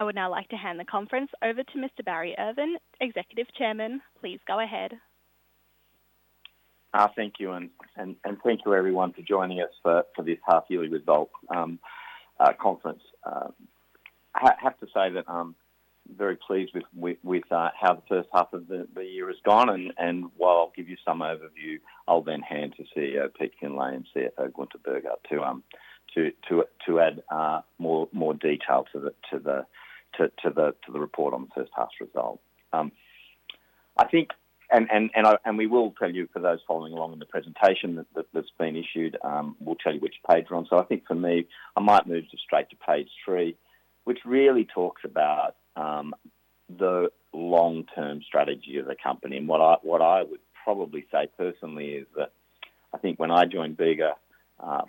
I would now like to hand the conference over to Mr. Barry Irvin, Executive Chairman. Please go ahead. Thank you, and thank you, everyone, for joining us for this half-yearly results conference. I have to say that I'm very pleased with how the first half of the year has gone, and while I'll give you some overview, I'll then hand to Pete Findlay, CEO, and Gunther Burghardt, CFO, to add more detail to the report on the first half's results. I think, and we will tell you for those following along in the presentation that's been issued, we'll tell you which page we're on, so I think, for me, I might move straight to page three, which really talks about the long-term strategy of the company, and what I would probably say personally is that I think when I joined Bega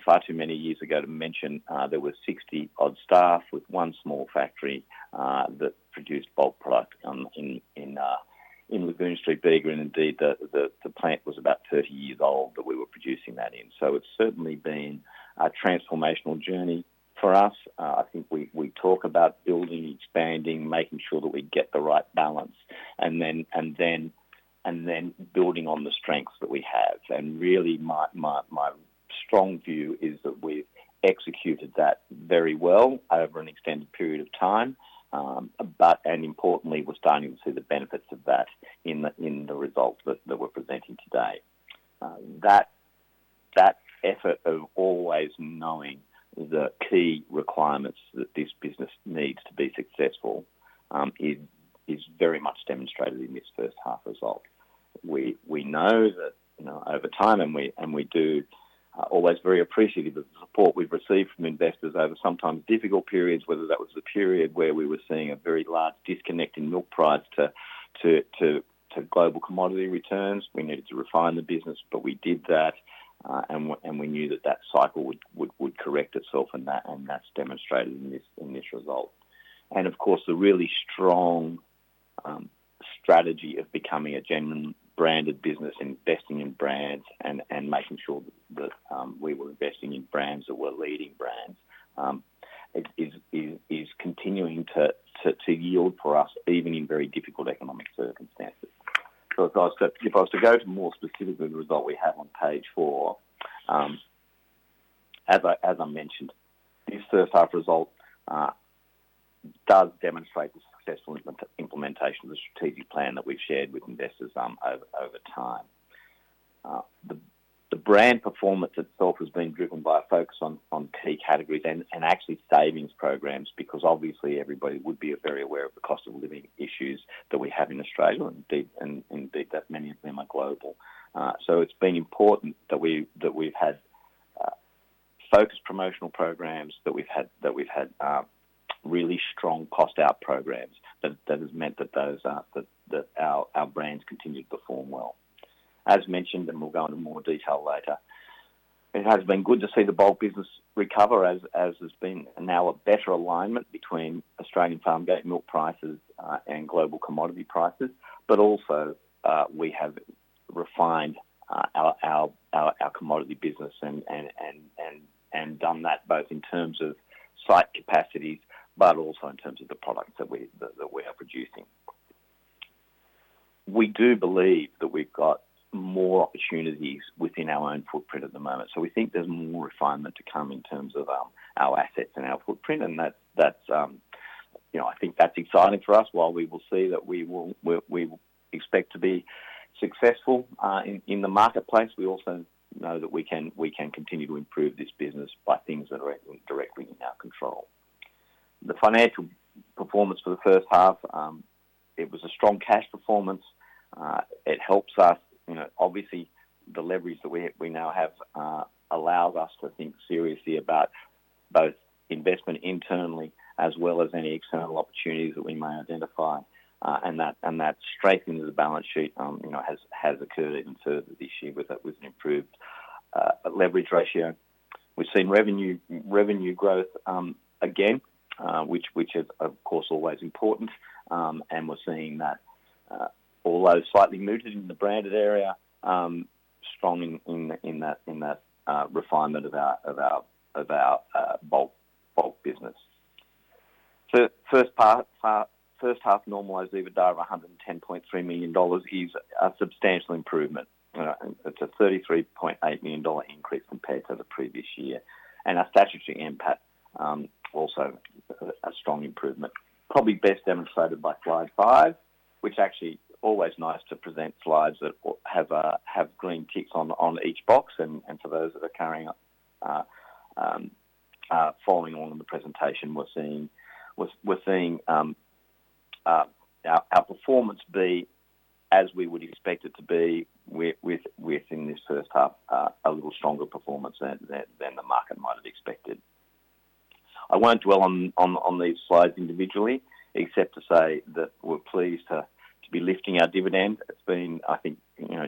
far too many years ago, to mention, there were 60-odd staff with one small factory that produced bulk product in Lagoon Street, Bega. Indeed, the plant was about 30 years old that we were producing that in. So it's certainly been a transformational journey for us. I think we talk about building, expanding, making sure that we get the right balance, and then building on the strengths that we have. And really, my strong view is that we've executed that very well over an extended period of time. And importantly, we're starting to see the benefits of that in the results that we're presenting today. That effort of always knowing the key requirements that this business needs to be successful is very much demonstrated in this first half result. We know that over time, and we do, always very appreciative of the support we've received from investors over sometimes difficult periods, whether that was the period where we were seeing a very large disconnect in milk price to global commodity returns. We needed to refine the business, but we did that, and we knew that that cycle would correct itself, and that's demonstrated in this result, and of course, the really strong strategy of becoming a genuine branded business, investing in brands, and making sure that we were investing in brands that were leading brands is continuing to yield for us, even in very difficult economic circumstances, so if I was to go to more specifically the result we have on page four, as I mentioned, this first half result does demonstrate the successful implementation of the strategic plan that we've shared with investors over time. The brand performance itself has been driven by a focus on key categories and actually savings programs because obviously, everybody would be very aware of the cost of living issues that we have in Australia, and indeed, many of them are global. So it's been important that we've had focused promotional programs, that we've had really strong cost-out programs. That has meant that our brands continue to perform well. As mentioned, and we'll go into more detail later, it has been good to see the bulk business recover, as there's been now a better alignment between Australian farm gate milk prices and global commodity prices. But also, we have refined our commodity business and done that both in terms of site capacities, but also in terms of the products that we are producing. We do believe that we've got more opportunities within our own footprint at the moment. So we think there's more refinement to come in terms of our assets and our footprint. And I think that's exciting for us. While we will see that we expect to be successful in the marketplace, we also know that we can continue to improve this business by things that are directly in our control. The financial performance for the first half, it was a strong cash performance. It helps us. Obviously, the leverage that we now have allows us to think seriously about both investment internally as well as any external opportunities that we may identify. And that strengthening of the balance sheet has occurred in terms of this year with an improved leverage ratio. We've seen revenue growth again, which is, of course, always important. And we're seeing that, although slightly muted in the branded area, strong in that refinement of our bulk business. First half normalized EBITDA of 110.3 million dollars is a substantial improvement. It's a 33.8 million dollar increase compared to the previous year. Our statutory impact also [shows] a strong improvement. It is probably best demonstrated by slide five, which is actually always nice to present slides that have green ticks on each box. For those that are following along in the presentation, we're seeing our performance be as we would expect it to be within this first half, a little stronger performance than the market might have expected. I won't dwell on these slides individually, except to say that we're pleased to be lifting our dividend. I think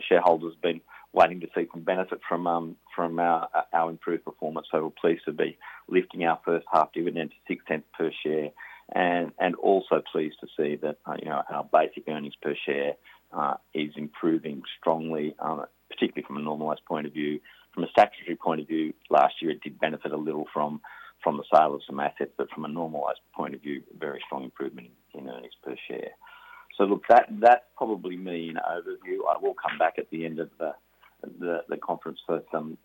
shareholders have been waiting to see some benefit from our improved performance. We're pleased to be lifting our first half dividend to 0.06 per share. We are also pleased to see that our basic earnings per share is improving strongly, particularly from a normalized point of view. From a statutory point of view, last year it did benefit a little from the sale of some assets. But from a normalized point of view, very strong improvement in earnings per share. So look, that's probably my overview. I will come back at the end of the conference for some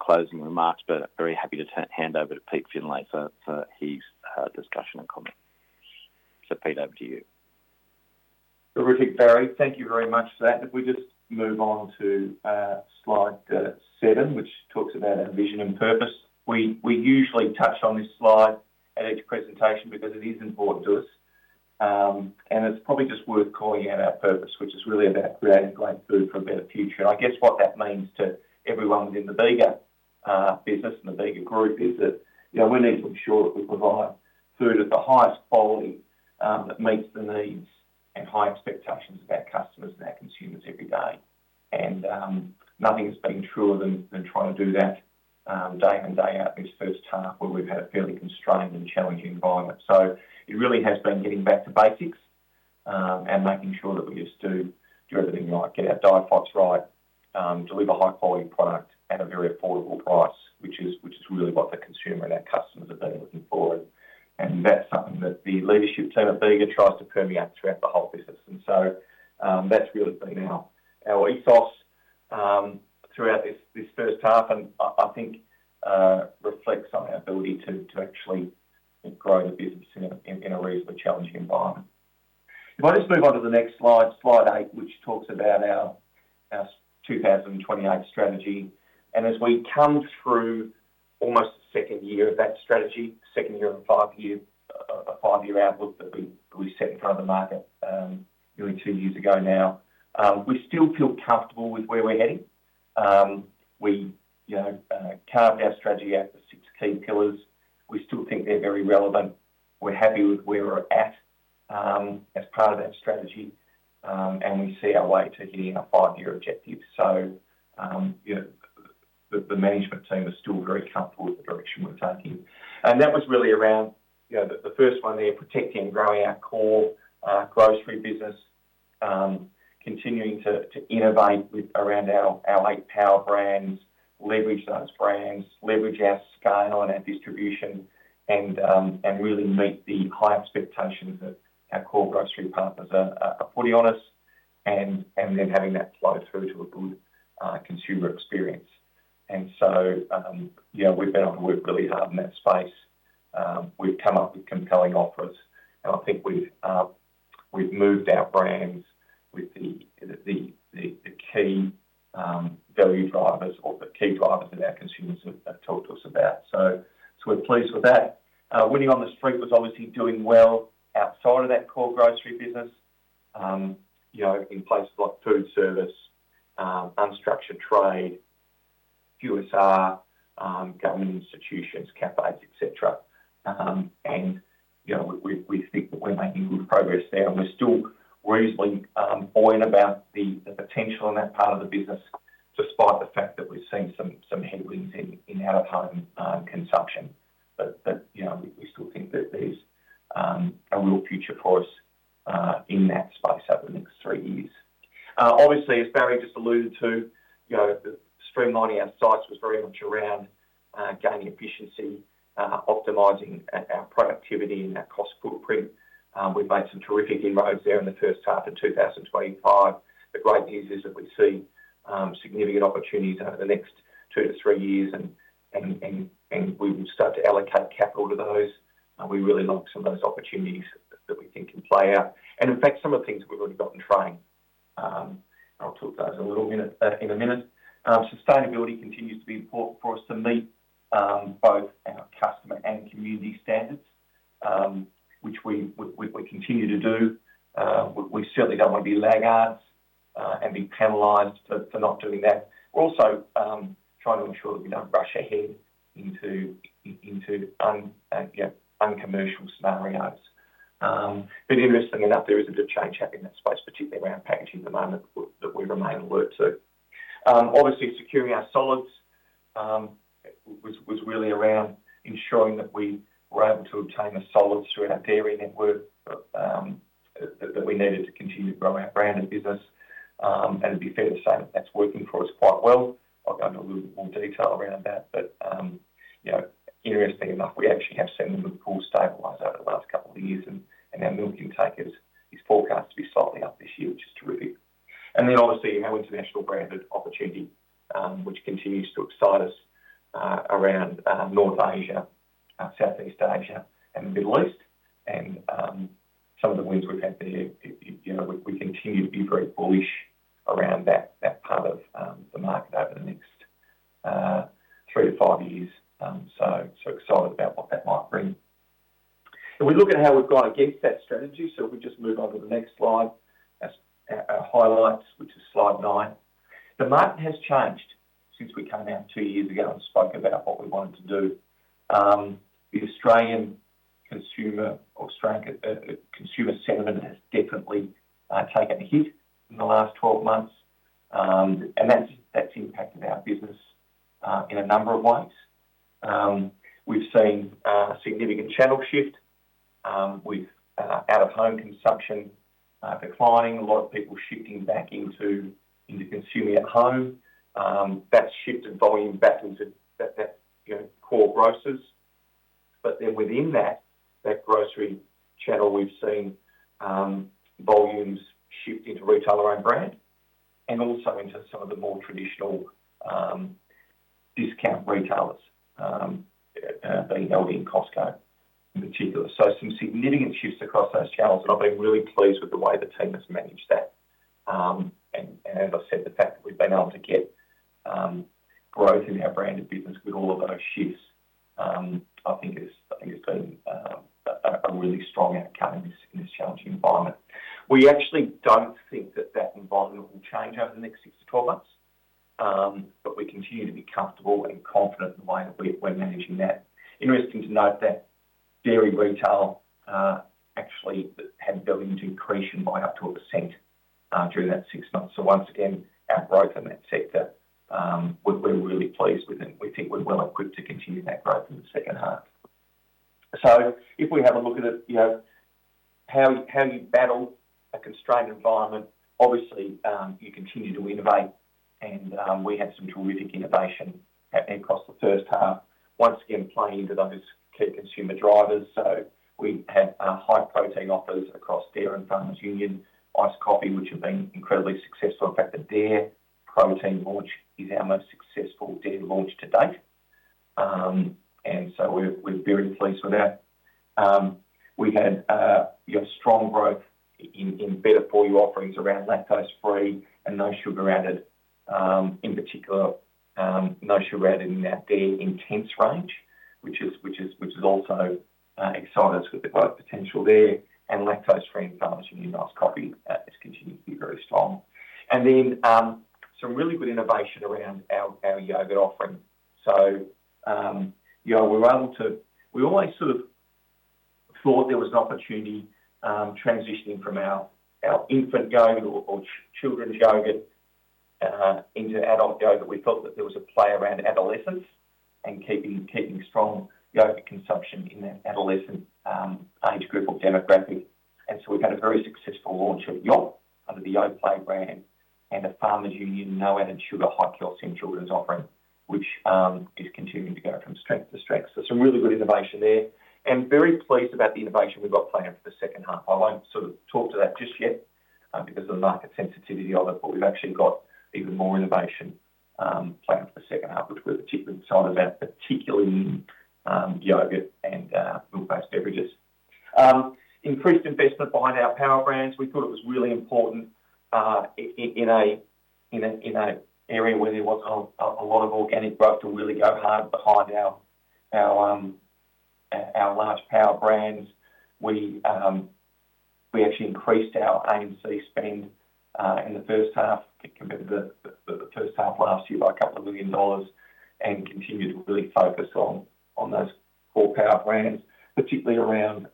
closing remarks, but very happy to hand over to Pete Findlay for his discussion and comment. So Pete, over to you. Terrific, Barry. Thank you very much for that. If we just move on to slide seven, which talks about vision and purpose. We usually touch on this slide at each presentation because it is important to us. And it's probably just worth calling out our purpose, which is really about creating great food for a better future. And I guess what that means to everyone within the Bega business and the Bega Group is that we need to ensure that we provide food of the highest quality that meets the needs and high expectations of our customers and our consumers every day. And nothing has been truer than trying to do that day in and day out in this first half, where we've had a fairly constrained and challenging environment. So it really has been getting back to basics and making sure that we just do everything right, get our DIFOT right, deliver high-quality product at a very affordable price, which is really what the consumer and our customers have been looking for. And that's something that the leadership team at Bega tries to permeate throughout the whole business. And so that's really been our ethos throughout this first half. And I think it reflects on our ability to actually grow the business in a reasonably challenging environment. If I just move on to the next slide, slide eight, which talks about our 2028 strategy. And as we come through almost the second year of that strategy, second year of a five-year outlook that we set in front of the market nearly two years ago now, we still feel comfortable with where we're heading. We carved our strategy out of the six key pillars. We still think they're very relevant. We're happy with where we're at as part of that strategy, and we see our way to hitting our five-year objective. The management team is still very comfortable with the direction we're taking. That was really around the first one there, protecting and growing our core grocery business, continuing to innovate around our eight power brands, leverage those brands, leverage our scale and our distribution, and really meet the high expectations that our core grocery partners are putting on us, and then having that flow through to a good consumer experience. We've been able to work really hard in that space. We've come up with compelling offers. I think we've moved our brands with the key value drivers or the key drivers that our consumers have talked to us about. We're pleased with that. Winning on the street was obviously doing well outside of that core grocery business in places like foodservice, unstructured trade, QSR, government institutions, cafes, etc. We think that we're making good progress there. We're still reasonably buoyant about the potential in that part of the business, despite the fact that we've seen some headwinds in out-of-home consumption. We still think that there's a real future for us in that space over the next three years. Obviously, as Barry just alluded to, streamlining our sites was very much around gaining efficiency, optimizing our productivity and our cost footprint. We've made some terrific inroads there in the first half of 2025. The great news is that we see significant opportunities over the next two to three years. We will start to allocate capital to those. We really like some of those opportunities that we think can play out. In fact, some of the things that we've already got in train, I'll talk about those in a minute. Sustainability continues to be important for us to meet both our customer and community standards, which we continue to do. We certainly don't want to be laggards and be penalized for not doing that. We're also trying to ensure that we don't rush ahead into uncommercial scenarios. Interestingly enough, there is a bit of change happening in that space, particularly around packaging at the moment, that we remain alert to. Obviously, securing our solids was really around ensuring that we were able to obtain the solids through our dairy network that we needed to continue to grow our branded business, and it'd be fair to say that that's working for us quite well. I'll go into a little bit more detail around that, but interestingly enough, we actually have seen a core stabilizer over the last couple of years, and our milk intake is forecast to be slightly up this year, which is terrific, and then obviously, our international branded opportunity, which continues to excite us around North Asia, Southeast Asia, and the Middle East, and some of the wins we've had there, we continue to be very bullish around that part of the market over the next three to five years, so excited about what that might bring. If we look at how we've got against that strategy. So if we just move on to the next slide, our highlights, which is slide nine. The market has changed since we came out two years ago and spoke about what we wanted to do. The Australian consumer sentiment has definitely taken a hit in the last 12 months. And that's impacted our business in a number of ways. We've seen a significant channel shift. With out-of-home consumption declining, a lot of people shifting back into consuming at home. That's shifted volume back into core transitioning from our infant yogurt or children's yogurt into adult yogurt. We felt that there was a play around adolescence and keeping strong yogurt consumption in that adolescent age group or demographic. And so we've had a very successful launch of yogurt under the Yoplait brand and a Farmers Union no-added sugar high-calcium children's offering, which is continuing to go from strength to strength. So some really good innovation there. And very pleased about the innovation we've got planned for the second half. I won't sort of talk to that just yet because of the market sensitivity of it. But we've actually got even more innovation planned for the second half, which we're particularly excited about, particularly in yogurt and milk-based beverages. Increased investment behind our power brands. We thought it was really important in an area where there wasn't a lot of organic growth to really go hard behind our large power brands. We actually increased our A&P spend in the first half, compared to the first half last year, by 2 million dollars and continued to really focus on those core power brands, particularly around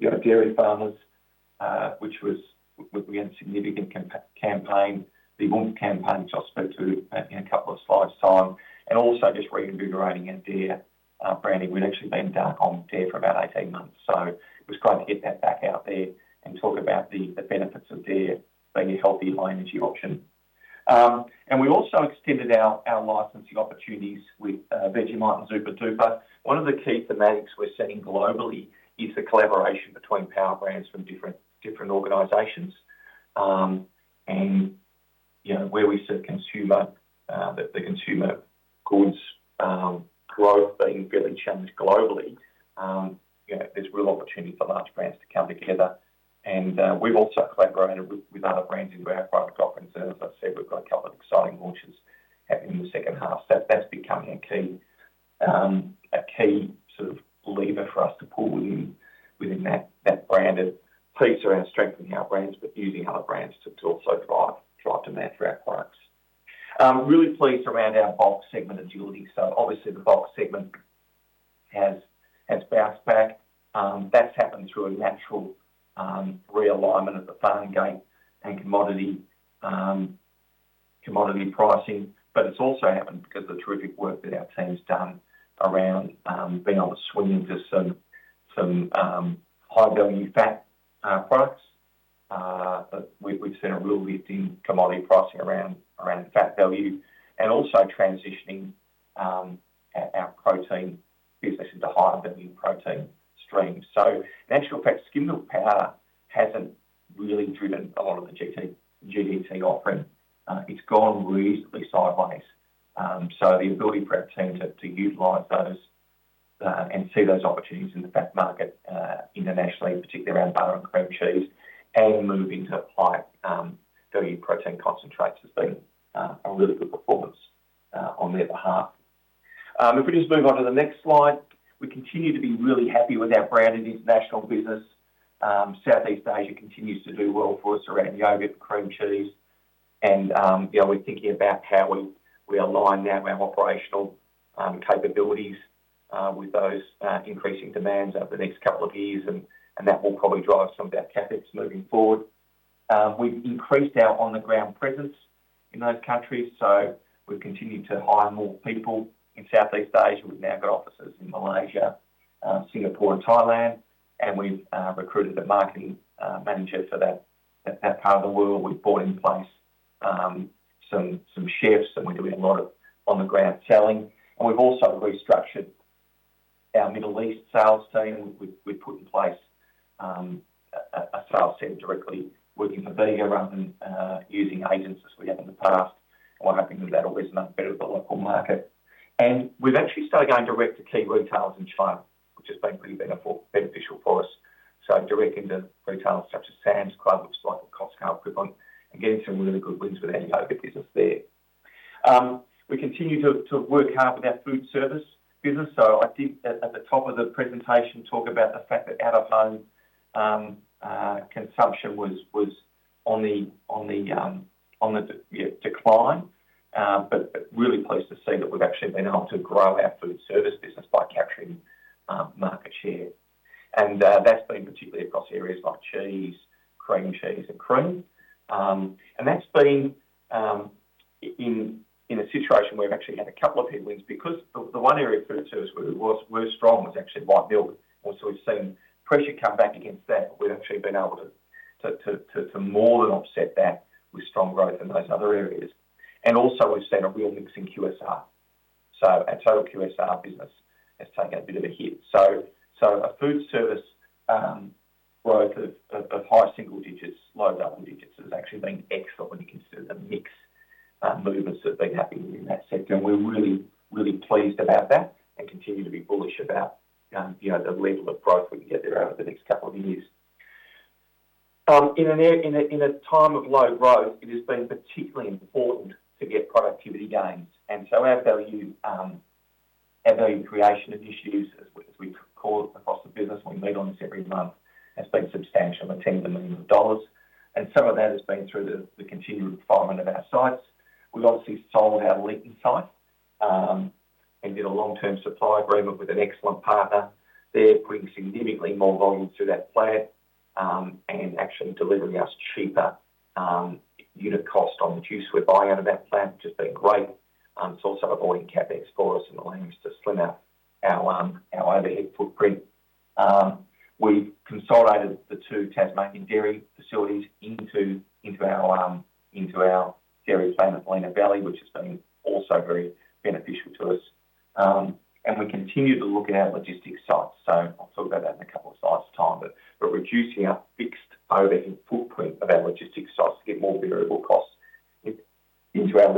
Dairy Farmers, which was we had a significant campaign, the Bump campaign, which I'll speak to in a couple of slides' time. Also just reinvigorating our dairy branding. We'd actually been dark on dairy for about 18 months. So it was great to get that back out there and talk about the benefits of dairy being a healthy, high-energy option. We also extended our licensing opportunities with Vegemite and Zooper Dooper. One of the key thematics we're setting globally is the collaboration between power brands from different organizations. Where we see the consumer goods growth being fairly challenged globally, there's real opportunity for large brands to come together. And we've also collaborated with other brands into our product offerings. And as I said, we've got a couple of exciting launches happening in the second half. So that's becoming a key sort of lever for us to pull within that branded piece around strengthening our brands, but using other brands to also drive demand for our products. Really pleased around our bulk segment agility. So obviously, the bulk segment has bounced back. That's happened through a natural realignment of the farm gate and commodity pricing. But it's also happened because of the terrific work that our team's done around being able to swing into some high-value fat products. We've seen a real lift in commodity pricing around fat value and also transitioning our protein business into higher-value protein streams. So in actual fact, skim milk powder hasn't really driven a lot of the GDT offering. It's gone reasonably sideways. So the ability for our team to utilize those and see those opportunities in the fat market internationally, particularly around butter and cream cheese and move into high-value protein concentrates has been a really good performance on their behalf. If we just move on to the next slide, we continue to be really happy with our branded international business. Southeast Asia continues to do well for us around yogurt and cream cheese. And we're thinking about how we align now our operational capabilities with those increasing demands over the next couple of years. And that will probably drive some of our tactics moving forward. We've increased our on-the-ground presence in those countries. So we've continued to hire more people in Southeast Asia. We've now got offices in Malaysia, Singapore, and Thailand. And we've recruited a marketing manager for that part of the world. We've brought in place some chefs. We're doing a lot of on-the-ground selling. We've also restructured our Middle East sales team. We've put in place a sales team directly working for Bega rather than using agents as we have in the past. We're hoping that that will resonate better with the local market. We've actually started going direct to key retailers in China, which has been pretty beneficial for us. We're going direct into retailers such as Sam's Club, which is like a Costco equivalent, and getting some really good wins with our yogurt business there. We continue to work hard with our foodservice business. At the top of the presentation, I talked about the fact that out-of-home consumption was on the decline. I'm really pleased to see that we've actually been able to grow our foodservice business by capturing market share. And that's been particularly across areas like cheese, cream cheese, and cream. And that's been in a situation where we've actually had a couple of headwinds because the one area of foodservice where we were strong was actually light milk. And so we've seen pressure come back against that. But we've actually been able to more than offset that with strong growth in those other areas. And also, we've seen a real mix in QSR. So our total QSR business has taken a bit of a hit. So a foodservice growth of high single digits, low double digits has actually been excellent when you consider the mix movements that have been happening in that sector. And we're really, really pleased about that and continue to be bullish about the level of growth we can get there over the next couple of years. In a time of low growth, it has been particularly important to get productivity gains, and so our value creation initiatives, as we call it across the business, we meet on this every month, has been substantial, at $10 million. And some of that has been through the continued refinement of our sites. We obviously sold our Leeton site and did a long-term supply agreement with an excellent partner there, putting significantly more volume through that plant and actually delivering us cheaper unit cost on the juice we're buying out of that plant, which has been great. It's also avoiding CapEx for us and allowing us to slim out our overhead footprint. We've consolidated the two Tasmanian dairy facilities into our dairy plant at Lenah Valley, which has been also very beneficial to us, and we continue to look at our logistics sites. I'll talk about that in a couple of slides' time. Reducing our fixed overhead footprint of our logistics sites to get more variable costs into our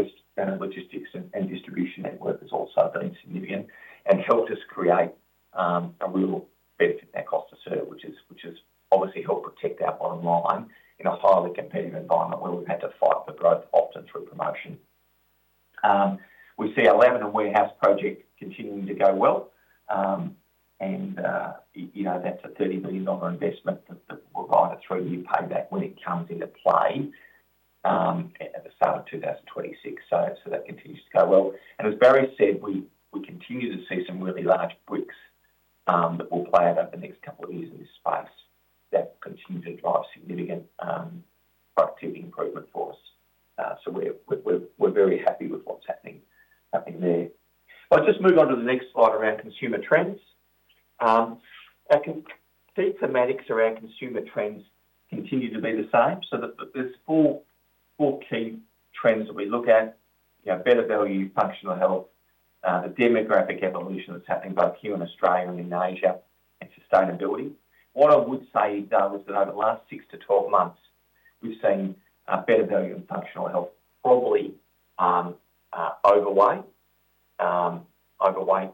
logistics and distribution network has also been significant and helped us create a real benefit in our cost of service, which has obviously helped protect our bottom line in a highly competitive environment where we've had to fight for growth often through promotion. We see our Lineage warehouse project continuing to go well. That's a 30 million dollar investment that we'll ride a three-year payback when it comes into play at the start of 2026. That continues to go well. As Barry said, we continue to see some really large bricks that will play out over the next couple of years in this space that continue to drive significant productivity improvement for us. So we're very happy with what's happening there. I'll just move on to the next slide around consumer trends. The key thematics around consumer trends continue to be the same. So there's four key trends that we look at: better value, functional health, the demographic evolution that's happening both here in Australia and in Asia, and sustainability. What I would say, though, is that over the last six to 12 months, we've seen better value and functional health probably overweight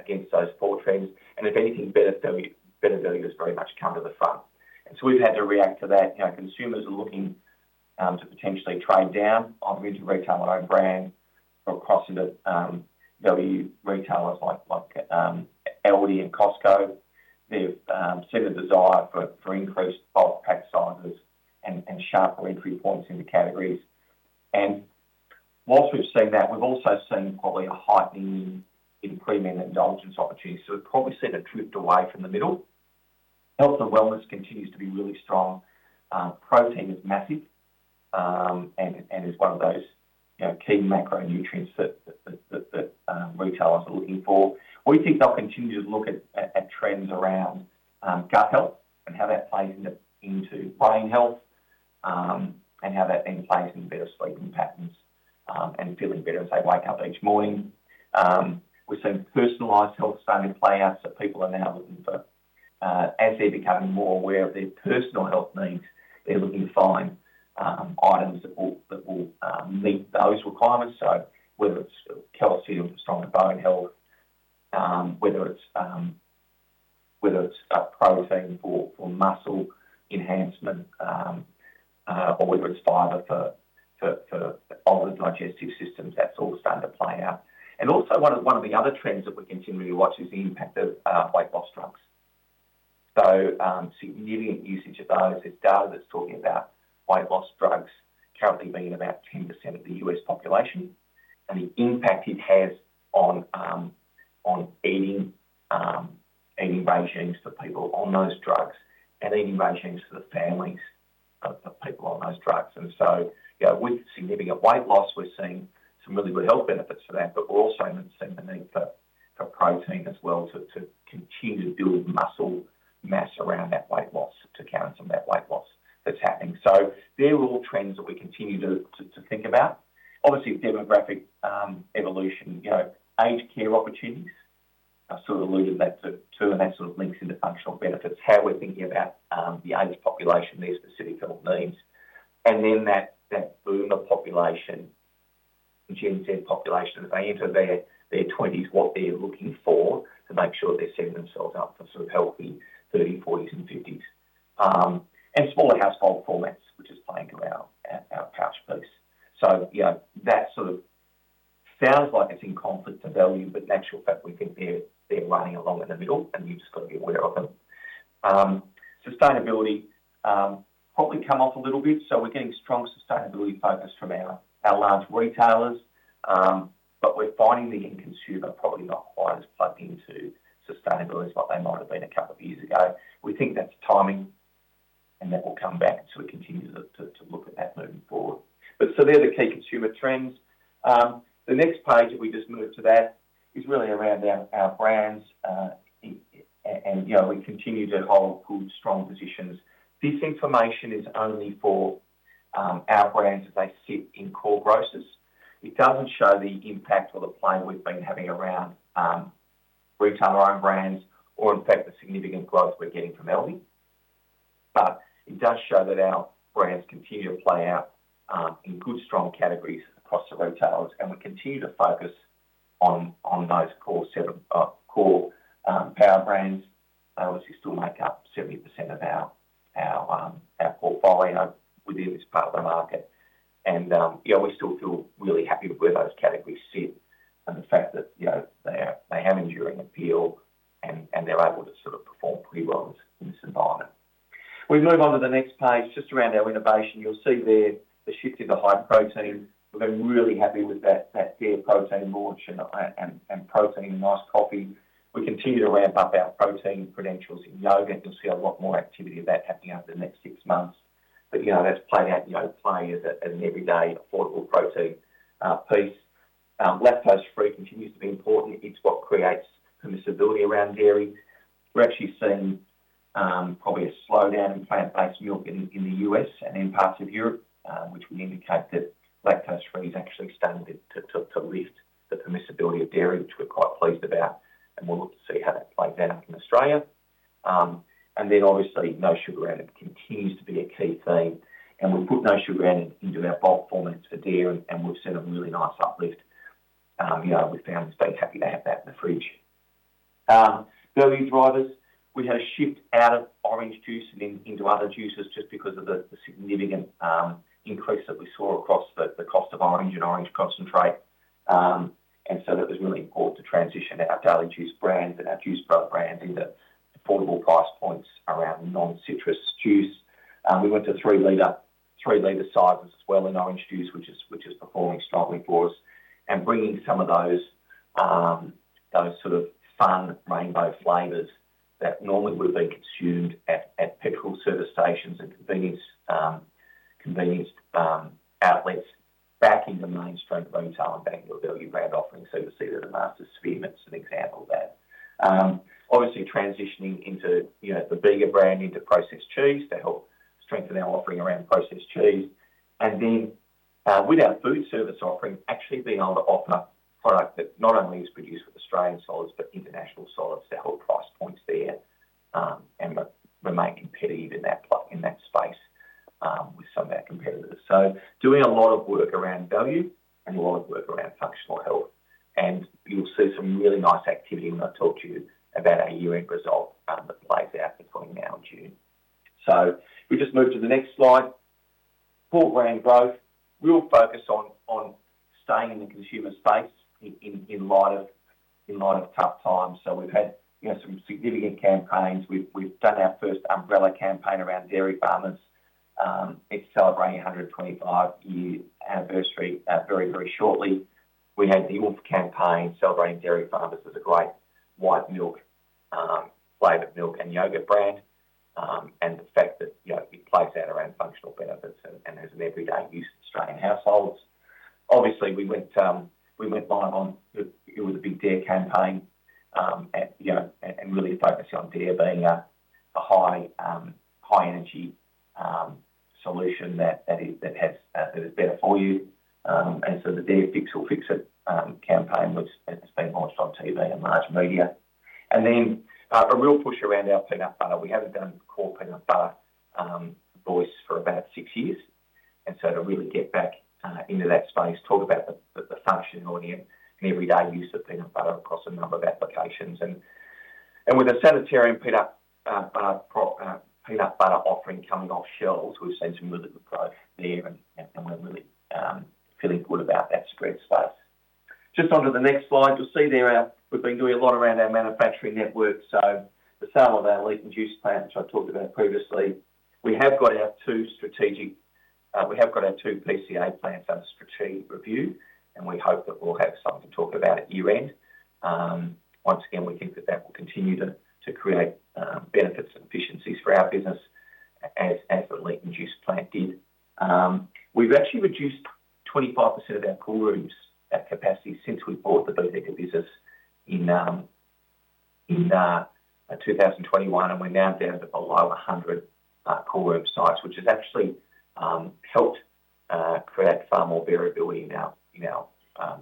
against those four trends. And if anything, better value has very much come to the front. And so we've had to react to that. Consumers are looking to potentially trade down on retailer own brand for crossing value retailers like Aldi and Costco. They've seen a desire for increased bulk pack sizes and sharper entry points into categories. While we've seen that, we've also seen probably a heightening in pre-meal indulgence opportunities. So we've probably seen a drift away from the middle. Health and wellness continues to be really strong. Protein is massive and is one of those key macronutrients that retailers are looking for. We think they'll continue to look at trends around gut health and how that plays into brain health and how that then plays into better sleeping patterns and feeling better as they wake up each morning. We've seen personalized health starting to play out. So people are now looking for, as they're becoming more aware of their personal health needs, they're looking to find items that will meet those requirements. So whether it's calcium for stronger bone health, whether it's protein for muscle enhancement, or whether it's fiber for all the digestive systems, that's all starting to play out. And also, one of the other trends that we continue to watch is the impact of weight loss drugs. So significant usage of those. There's data that's talking about weight loss drugs currently being about 10% of the U.S. population and the impact it has on eating regimes for people on those drugs and eating regimes for the families of people on those drugs. And so with significant weight loss, we're seeing some really good health benefits for that. But we're also seeing the need for protein as well to continue to build muscle mass around that weight loss to counter some of that weight loss that's happening. So they're all trends that we continue to think about. Obviously, demographic evolution, aged care opportunities. I sort of alluded to that too. That sort of links into functional benefits, how we're thinking about the aged population and their specific health needs. Then that boom of population, Gen Z population, as they enter their 20s, what they're looking for to make sure they're setting themselves up for sort of healthy 30s, 40s, and 50s. Smaller household formats, which is playing to our pouch piece. That sort of sounds like it's in conflict to value. But in actual fact, we think they're riding along in the middle. You've just got to be aware of them. Sustainability probably comes off a little bit. We're getting strong sustainability focus from our large retailers. But we're finding the end consumer probably not quite as plugged into sustainability as what they might have been a couple of years ago. We think that's timing. That will come back. So we continue to look at that moving forward. So they're the key consumer trends. The next page that we just moved to that is really around our brands. And we continue to hold good, strong positions. This information is only for our brands as they sit in core growths. It doesn't show the impact or the play we've been having around retailer own brands or, in fact, the significant growth we're getting from Aldi. But it does show that our brands continue to play out in good, strong categories across the retailers. And we continue to focus on those core power brands. They obviously still make up 70% of our portfolio within this part of the market. And we still feel really happy with where those categories sit and the fact that they have enduring appeal and they're able to sort of perform pretty well in this environment. We move on to the next page just around our innovation. You'll see there the shift into high protein. We've been really happy with that Dare Protein launch and Dare Iced Coffee. We continue to ramp up our protein credentials in yogurt. You'll see a lot more activity of that happening over the next six months. But that's played out in Yoplait as an everyday affordable protein piece. Lactose-free continues to be important. It's what creates permissibility around dairy. We're actually seeing probably a slowdown in plant-based milk in the U.S. and in parts of Europe, which would indicate that lactose-free is actually starting to lift the permissibility of dairy, which we're quite pleased about, and we'll look to see how that plays out in Australia, and then, obviously, no sugar added continues to be a key thing. And we've put no sugar added into our bulk formats for dairy. And we've seen a really nice uplift. We found we've been happy to have that in the fridge. Value drivers. We had a shift out of orange juice and into other juices just because of the significant increase that we saw across the cost of orange and orange concentrate. And so that was really important to transition our dairy juice brand and our juice brand into affordable price points around non-citrus juice. We went to three-liter sizes as well in orange juice, which is performing strongly for us and bringing some of those sort of fun rainbow flavors that normally would have been consumed at petrol service stations and convenience outlets back into mainstream retail and back into a value-brand offering. So you'll see that the Masters Spearmint is an example of that. Obviously, transitioning into the Bega brand into processed cheese to help strengthen our offering around processed cheese, and then with our foodservice offering, actually being able to offer product that not only is produced with Australian solids but international solids to help price points there and remain competitive in that space with some of our competitors. So doing a lot of work around value and a lot of work around functional health. And you'll see some really nice activity when I talk to you about our year-end result that plays out between now and June. We just moved to the next slide. Core brand growth. Real focus on staying in the consumer space in light of tough times. We've had some significant campaigns. We've done our first umbrella campaign around Dairy Farmers. It's celebrating 125-year anniversary very, very shortly. We had the Our Farm campaign celebrating Dairy Farmers as a great white milk, flavored milk, and yogurt brand, and the fact that it plays out around functional benefits and has an everyday use in Australian households. Obviously, we went live on it with a big dairy campaign and really focusing on dairy being a high-energy solution that is better for you, and so the A Dare Fix'll Fix It campaign, which has been launched on TV and large media, and then a real push around our peanut butter. We haven't done core peanut butter voice for about six years, and so to really get back into that space, talk about the functionality and everyday use of peanut butter across a number of applications, and with a Sanitarium peanut butter offering coming off shelves, we've seen some really good growth there, and we're really feeling good about that spread space. Just onto the next slide. You'll see there we've been doing a lot around our manufacturing network. So the sale of our Leeton Juice Plant, which I talked about previously. We have got our two strategic PCA plants under strategic review. And we hope that we'll have something to talk about at year-end. Once again, we think that that will continue to create benefits and efficiencies for our business as the Leeton Juice Plant did. We've actually reduced 25% of our cool rooms, our capacity, since we bought the Bega business in 2021. And we're now down to below 100 cool room sites, which has actually helped create far more variability in our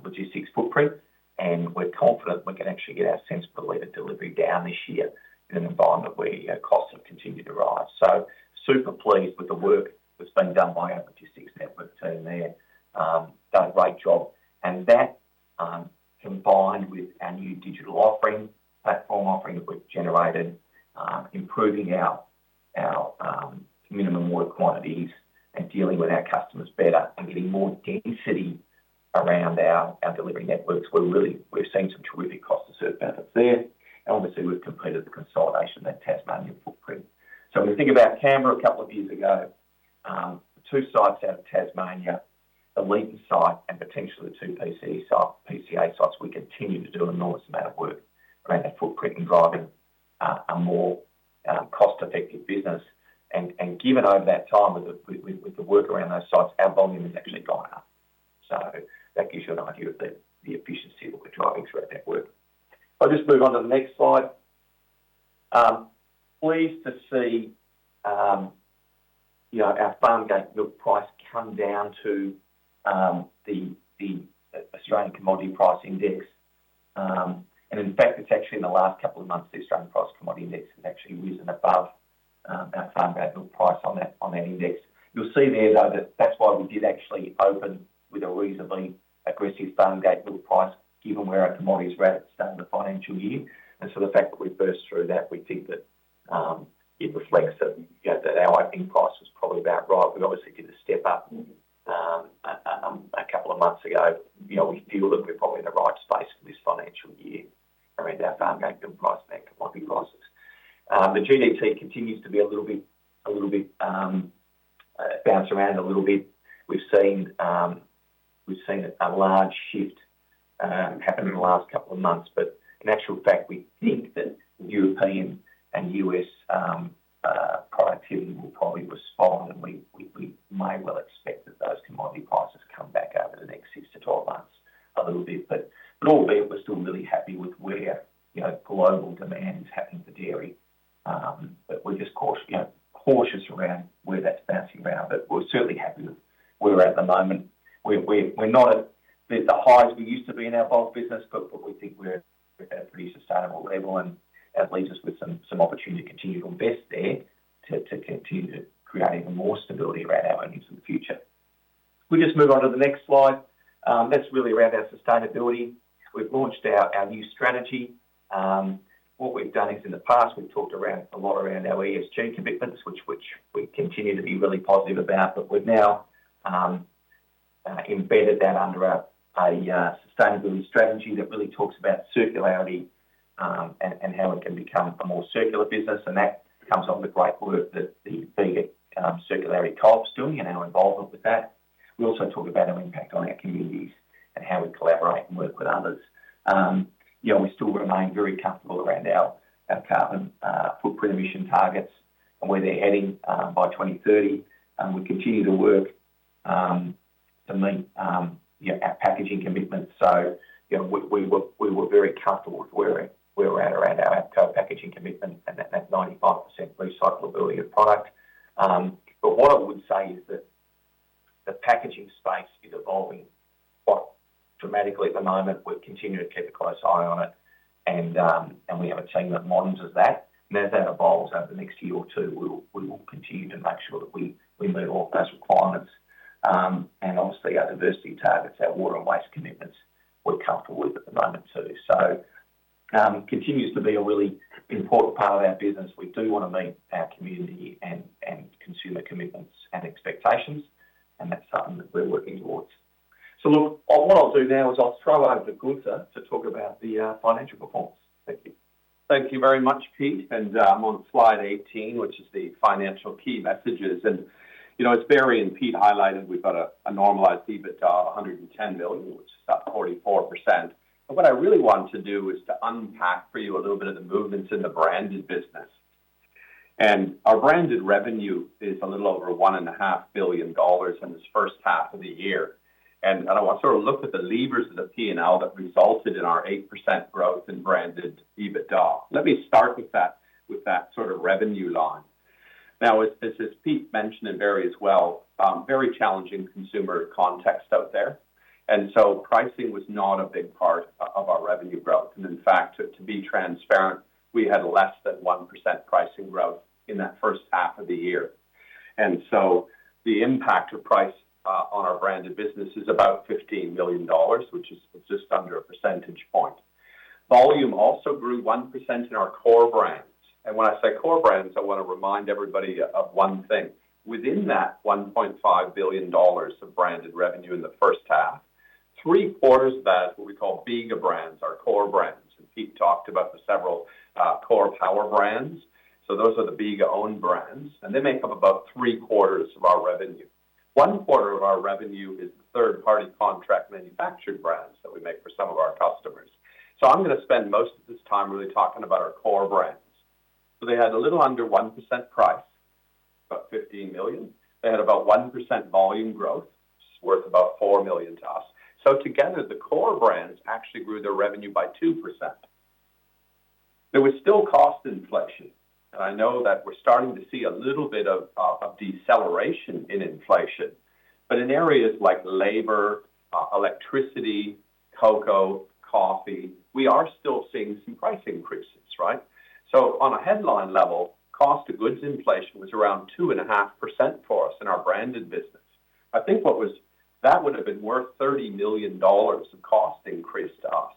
logistics footprint. And we're confident we can actually get our seasonal labor delivery down this year in an environment where costs have continued to rise. So super pleased with the work that's been done by our logistics network team there. Done a great job. And that combined with our new digital offering, platform offering that we've generated, improving our minimum order quantities and dealing with our customers better and getting more density around our delivery networks, we've seen some terrific cost-to-serve benefits there. And obviously, we've completed the consolidation of that Tasmania footprint. So we think about Canberra a couple of years ago. Two sites out of Tasmania, the Leeton site and potentially the two PCA sites. We continue to do an enormous amount of work around that footprint and driving a more cost-effective business. And given over that time with the work around those sites, our volume has actually gone up. So that gives you an idea of the efficiency that we're driving through that network. I'll just move on to the next slide. Pleased to see our farm gate milk price come down to the Australian Commodity Price Index. In fact, it's actually in the last couple of months, the Australian Commodity Price Index has actually risen above our farm gate milk price on that index. You'll see there, though, that that's why we did actually open with a reasonably aggressive farm gate milk price, given where our commodities were at at the start of the financial year. So the fact that we burst through that, we think that it reflects that our opening price was probably about right. We obviously did a step up a couple of months ago. We feel that we're probably in the right space for this financial year around our farm gate milk price and our commodity prices. The GDT continues to be a little bit bouncing around a little bit. We've seen a large shift happen in the last couple of months, but in actual fact, we think that European and U.S. productivity will probably respond, and we may well expect that those commodity prices come back over the next six to 12 months a little bit, but all being, we're still really happy with where global demand is happening for dairy, but we're just cautious around where that's bouncing around, but we're certainly happy with where we're at the moment. We're not at the highs we used to be in our bulk business, but we think we're at a pretty sustainable level, and that leaves us with some opportunity to continue to invest there to continue to create even more stability around our earnings in the future. We just move on to the next slide. That's really around our sustainability. We've launched our new strategy. What we've done is in the past, we've talked a lot around our ESG commitments, which we continue to be really positive about, but we've now embedded that under a sustainability strategy that really talks about circularity and how it can become a more circular business, and that comes off the great work that the Bega Circularity Co-op's doing and our involvement with that. We also talk about our impact on our communities and how we collaborate and work with others. We still remain very comfortable around our carbon footprint emission targets and where they're heading by 2030. We continue to work to meet our packaging commitments, so we were very comfortable with where we're at around our APCO packaging commitment and that 95% recyclability of product, but what I would say is that the packaging space is evolving quite dramatically at the moment. We continue to keep a close eye on it. And we have a team that monitors that. And as that evolves over the next year or two, we will continue to make sure that we meet all of those requirements. And obviously, our diversity targets, our water and waste commitments, we're comfortable with at the moment too. So it continues to be a really important part of our business. We do want to meet our community and consumer commitments and expectations. And that's something that we're working towards. So look, what I'll do now is I'll throw over to Gunther to talk about the financial performance. Thank you. Thank you very much, Pete. And I'm on slide 18, which is the financial key messages. And as Barry and Pete highlighted, we've got a normalized EBITDA of 110 million, which is up 44%. But what I really want to do is to unpack for you a little bit of the movements in the branded business. And our branded revenue is a little over 1.5 billion dollars in this first half of the year. And I sort of looked at the levers of the P&L that resulted in our 8% growth in branded EBITDA. Let me start with that sort of revenue line. Now, as Pete mentioned and Barry as well, very challenging consumer context out there. And so pricing was not a big part of our revenue growth. And in fact, to be transparent, we had less than 1% pricing growth in that first half of the year. And so the impact of price on our branded business is about 15 million dollars, which is just under a percentage point. Volume also grew 1% in our core brands. And when I say core brands, I want to remind everybody of one thing. Within that 1.5 billion dollars of branded revenue in the first half, three-quarters of that is what we call Bega brands, our core brands. And Pete talked about the several core power brands. So those are the Bega-owned brands. And they make up about three-quarters of our revenue. One quarter of our revenue is the third-party contract manufactured brands that we make for some of our customers. So I'm going to spend most of this time really talking about our core brands. So they had a little under 1% price, about 15 million. They had about 1% volume growth, which is worth about 4 million to us. So together, the core brands actually grew their revenue by 2%. There was still cost inflation. I know that we're starting to see a little bit of deceleration in inflation. But in areas like labor, electricity, cocoa, coffee, we are still seeing some price increases, right? So on a headline level, cost of goods inflation was around 2.5% for us in our branded business. I think that would have been worth 30 million dollars of cost increase to us.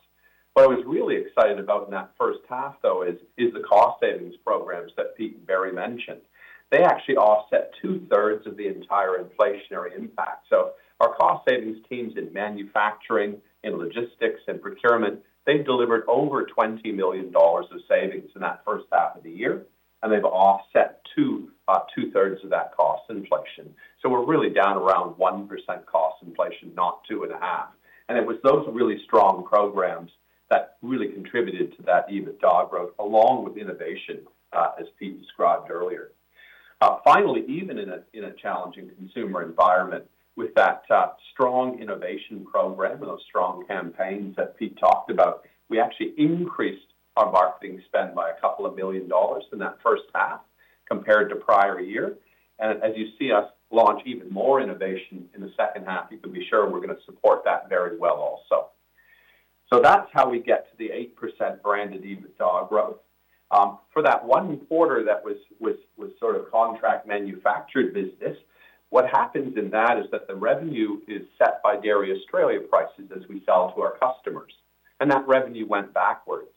What I was really excited about in that first half, though, is the cost savings programs that Pete and Barry mentioned. They actually offset two-thirds of the entire inflationary impact. So our cost savings teams in manufacturing, in logistics, in procurement, they've delivered over 20 million dollars of savings in that first half of the year. And they've offset two-thirds of that cost inflation. So we're really down around 1% cost inflation, not 2.5%. It was those really strong programs that really contributed to that EBITDA growth, along with innovation, as Pete described earlier. Finally, even in a challenging consumer environment, with that strong innovation program and those strong campaigns that Pete talked about, we actually increased our marketing spend by 2 million dollars in that first half compared to prior year. And as you see us launch even more innovation in the second half, you can be sure we're going to support that very well also. So that's how we get to the 8% branded EBITDA growth. For that one quarter that was sort of contract manufactured business, what happens in that is that the revenue is set by Dairy Australia prices as we sell to our customers. And that revenue went backwards.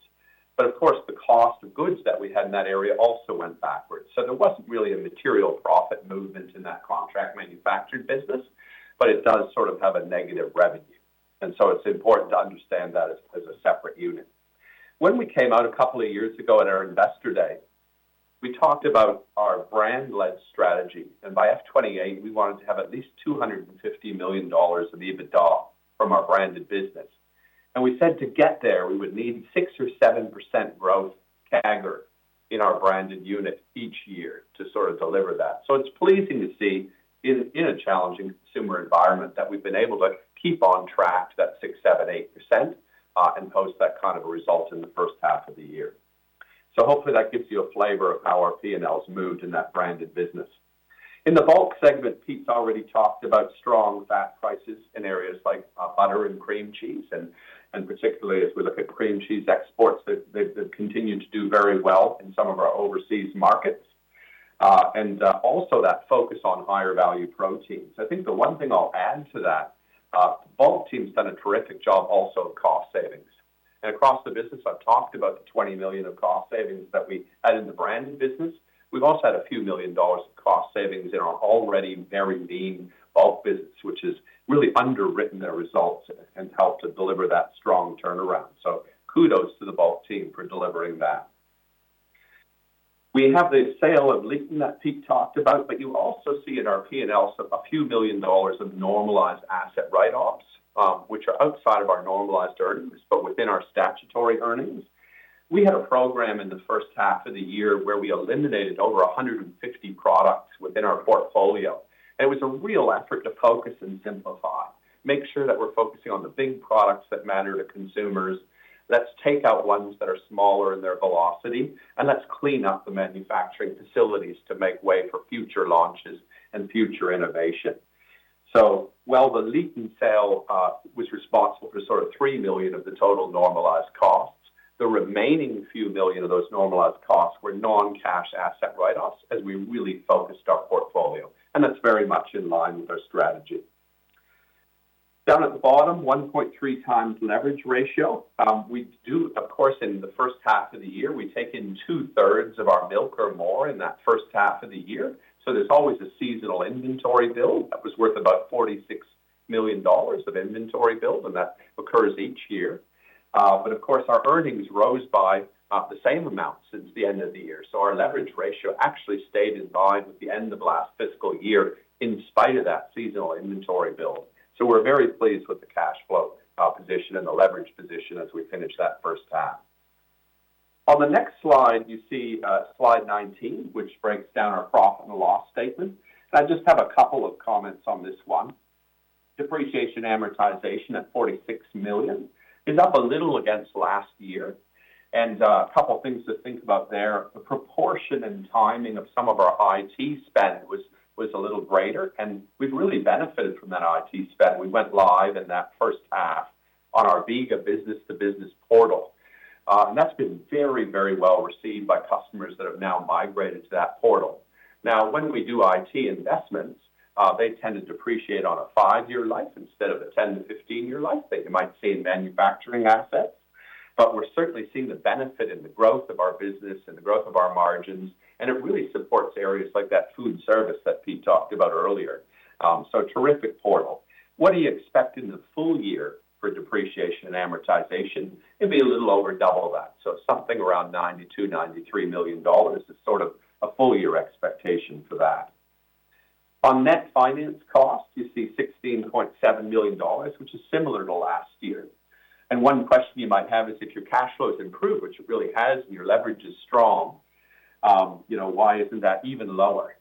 But of course, the cost of goods that we had in that area also went backwards. There wasn't really a material profit movement in that contract manufactured business. But it does sort of have a negative revenue. And so it's important to understand that as a separate unit. When we came out a couple of years ago at our investor day, we talked about our brand-led strategy. And by FY28, we wanted to have at least AUD 250 million of EBITDA from our branded business. And we said to get there, we would need six or seven% growth CAGR in our branded unit each year to sort of deliver that. It's pleasing to see in a challenging consumer environment that we've been able to keep on track that six, seven, eight% and post that kind of a result in the first half of the year. Hopefully, that gives you a flavor of how our P&Ls moved in that branded business. In the bulk segment, Pete's already talked about strong fat prices in areas like butter and cream cheese. And particularly, as we look at cream cheese exports, they've continued to do very well in some of our overseas markets. And also that focus on higher value proteins. I think the one thing I'll add to that, the bulk team's done a terrific job also of cost savings. And across the business, I've talked about the 20 million of cost savings that we had in the branded business. We've also had a few million AUD of cost savings in our already very lean bulk business, which has really underwritten their results and helped to deliver that strong turnaround. So kudos to the bulk team for delivering that. We have the sale of Leeton that Pete talked about. But you also see in our P&Ls a few million AUD of normalized asset write-offs, which are outside of our normalized earnings, but within our statutory earnings. We had a program in the first half of the year where we eliminated over 150 products within our portfolio. And it was a real effort to focus and simplify, make sure that we're focusing on the big products that matter to consumers. Let's take out ones that are smaller in their velocity. And let's clean up the manufacturing facilities to make way for future launches and future innovation. So while the Leeton sale was responsible for sort of 3 million of the total normalized costs, the remaining few million AUD of those normalized costs were non-cash asset write-offs as we really focused our portfolio. And that's very much in line with our strategy. Down at the bottom, 1.3 times leverage ratio. We do, of course, in the first half of the year, we take in two-thirds of our milk or more in that first half of the year. So there's always a seasonal inventory build. That was worth about 46 million dollars of inventory build. And that occurs each year. But of course, our earnings rose by the same amount since the end of the year. So our leverage ratio actually stayed in line with the end of last fiscal year in spite of that seasonal inventory build. So we're very pleased with the cash flow position and the leverage position as we finish that first half. On the next slide, you see slide 19, which breaks down our profit and loss statement. And I just have a couple of comments on this one. Depreciation amortization at 46 million is up a little against last year. A couple of things to think about there, the proportion and timing of some of our IT spend was a little greater. We've really benefited from that IT spend. We went live in that first half on our Bega business-to-business portal. That's been very, very well received by customers that have now migrated to that portal. Now, when we do IT investments, they tend to depreciate on a 5-year life instead of a 10-15-year life that you might see in manufacturing assets. But we're certainly seeing the benefit in the growth of our business and the growth of our margins. It really supports areas like that foodservice that Pete talked about earlier. Terrific portal. What do you expect in the full year for depreciation and amortization? It'd be a little over double that. So something around 92, 93 million dollars is sort of a full-year expectation for that. On net finance cost, you see 16.7 million dollars, which is similar to last year. And one question you might have is if your cash flow has improved, which it really has, and your leverage is strong, why isn't that even lower,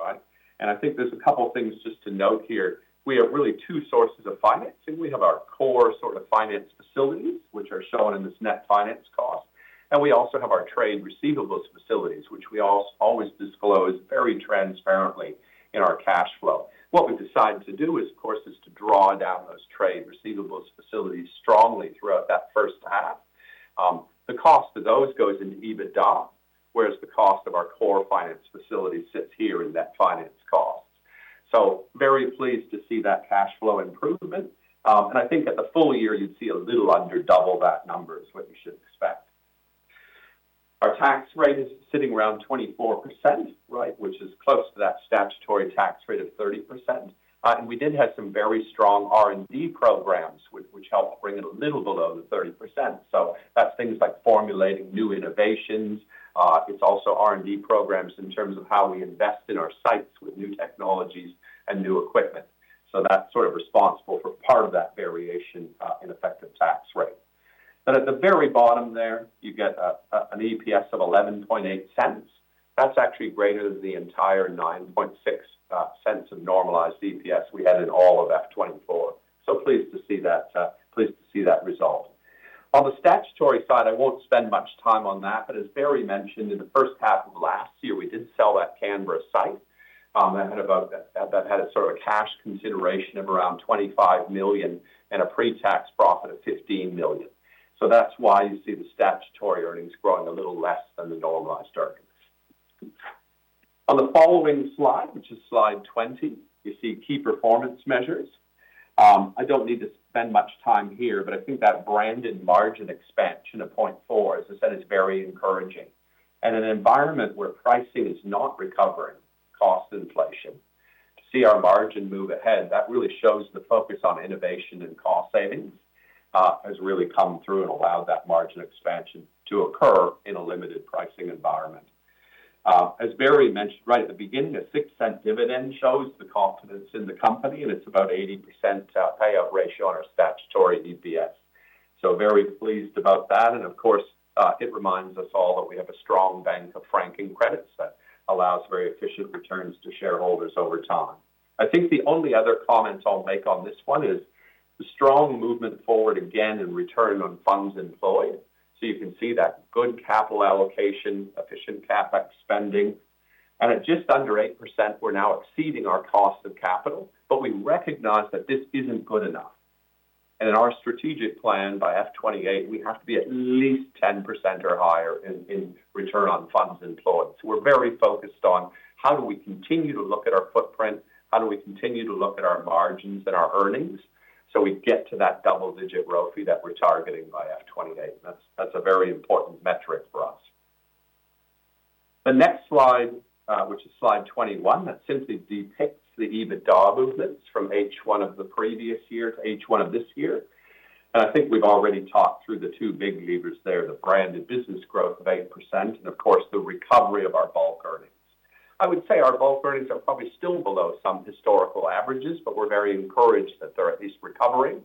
right? And I think there's a couple of things just to note here. We have really two sources of financing. We have our core sort of finance facilities, which are shown in this net finance cost. And we also have our trade receivables facilities, which we always disclose very transparently in our cash flow. What we've decided to do is, of course, is to draw down those trade receivables facilities strongly throughout that first half. The cost of those goes into EBITDA, whereas the cost of our core finance facility sits here in net finance costs. So very pleased to see that cash flow improvement. And I think at the full year, you'd see a little under double that number is what you should expect. Our tax rate is sitting around 24%, right, which is close to that statutory tax rate of 30%. And we did have some very strong R&D programs, which helped bring it a little below the 30%. So that's things like formulating new innovations. It's also R&D programs in terms of how we invest in our sites with new technologies and new equipment. So that's sort of responsible for part of that variation in effective tax rate. And at the very bottom there, you get an EPS of 0.118. That's actually greater than the entire 0.096 of normalized EPS we had in all of FY24. So pleased to see that result. On the statutory side, I won't spend much time on that. But as Barry mentioned, in the first half of last year, we did sell that Canberra site. That had a sort of a cash consideration of around 25 million and a pre-tax profit of 15 million. So that's why you see the statutory earnings growing a little less than the normalized earnings. On the following slide, which is slide 20, you see key performance measures. I don't need to spend much time here. But I think that branded margin expansion of 0.4 is, as I said, very encouraging. In an environment where pricing is not recovering cost inflation, to see our margin move ahead, that really shows the focus on innovation and cost savings has really come through and allowed that margin expansion to occur in a limited pricing environment. As Barry mentioned right at the beginning, an 0.06 dividend shows the confidence in the company. And it's about 80% payout ratio on our statutory EPS. So very pleased about that. And of course, it reminds us all that we have a strong bank of franking credits that allows very efficient returns to shareholders over time. I think the only other comment I'll make on this one is the strong movement forward again in return on funds employed. So you can see that good capital allocation, efficient CapEx spending. And at just under 8%, we're now exceeding our cost of capital. But we recognize that this isn't good enough. And in our strategic plan by FY28, we have to be at least 10% or higher in return on funds employed. So we're very focused on how do we continue to look at our footprint, how do we continue to look at our margins and our earnings so we get to that double-digit ROFE that we're targeting by FY28. That's a very important metric for us. The next slide, which is slide 21, that simply depicts the EBITDA movements from H1 of the previous year to H1 of this year. And I think we've already talked through the two big levers there, the branded business growth of 8% and, of course, the recovery of our bulk earnings. I would say our bulk earnings are probably still below some historical averages. But we're very encouraged that they're at least recovering.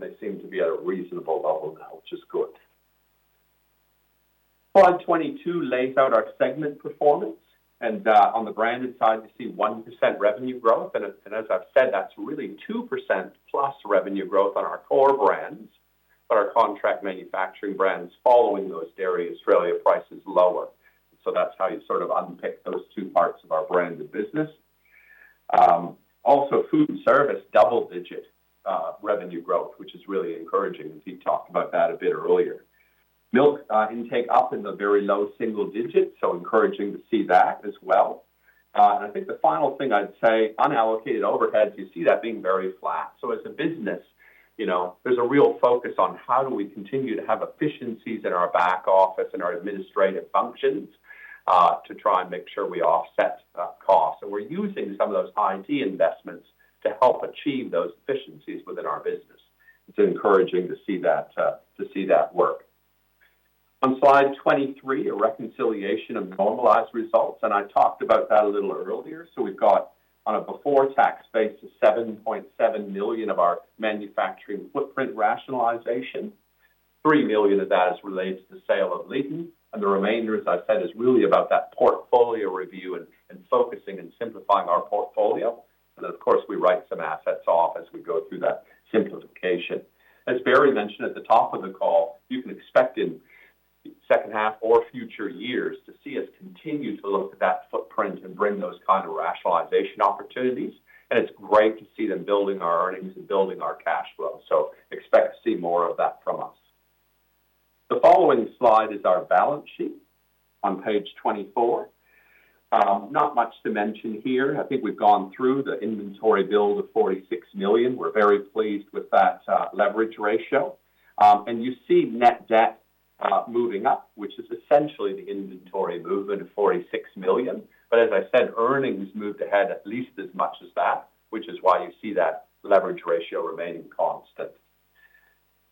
They seem to be at a reasonable level now, which is good. Slide 22 lays out our segment performance. On the branded side, you see 1% revenue growth. As I've said, that's really 2% plus revenue growth on our core brands. But our contract manufacturing brands following those Dairy Australia prices lower. That's how you sort of unpick those two parts of our branded business. Also, foodservice double-digit revenue growth, which is really encouraging. Pete talked about that a bit earlier. Milk intake up in the very low single digits, so encouraging to see that as well. I think the final thing I'd say, unallocated overheads, you see that being very flat. So as a business, there's a real focus on how do we continue to have efficiencies in our back office and our administrative functions to try and make sure we offset costs. And we're using some of those IT investments to help achieve those efficiencies within our business. It's encouraging to see that work. On slide 23, a reconciliation of normalized results. And I talked about that a little earlier. So we've got, on a before-tax basis, 7.7 million of our manufacturing footprint rationalization. 3 million of that is related to the sale of Leeton. And the remainder, as I said, is really about that portfolio review and focusing and simplifying our portfolio. And of course, we write some assets off as we go through that simplification. As Barry mentioned at the top of the call, you can expect in the second half or future years to see us continue to look at that footprint and bring those kind of rationalization opportunities. It's great to see them building our earnings and building our cash flow. Expect to see more of that from us. The following slide is our balance sheet on page 24. Not much to mention here. I think we've gone through the inventory build of 46 million. We're very pleased with that leverage ratio. You see net debt moving up, which is essentially the inventory movement of 46 million. Earnings moved ahead at least as much as that, which is why you see that leverage ratio remaining constant.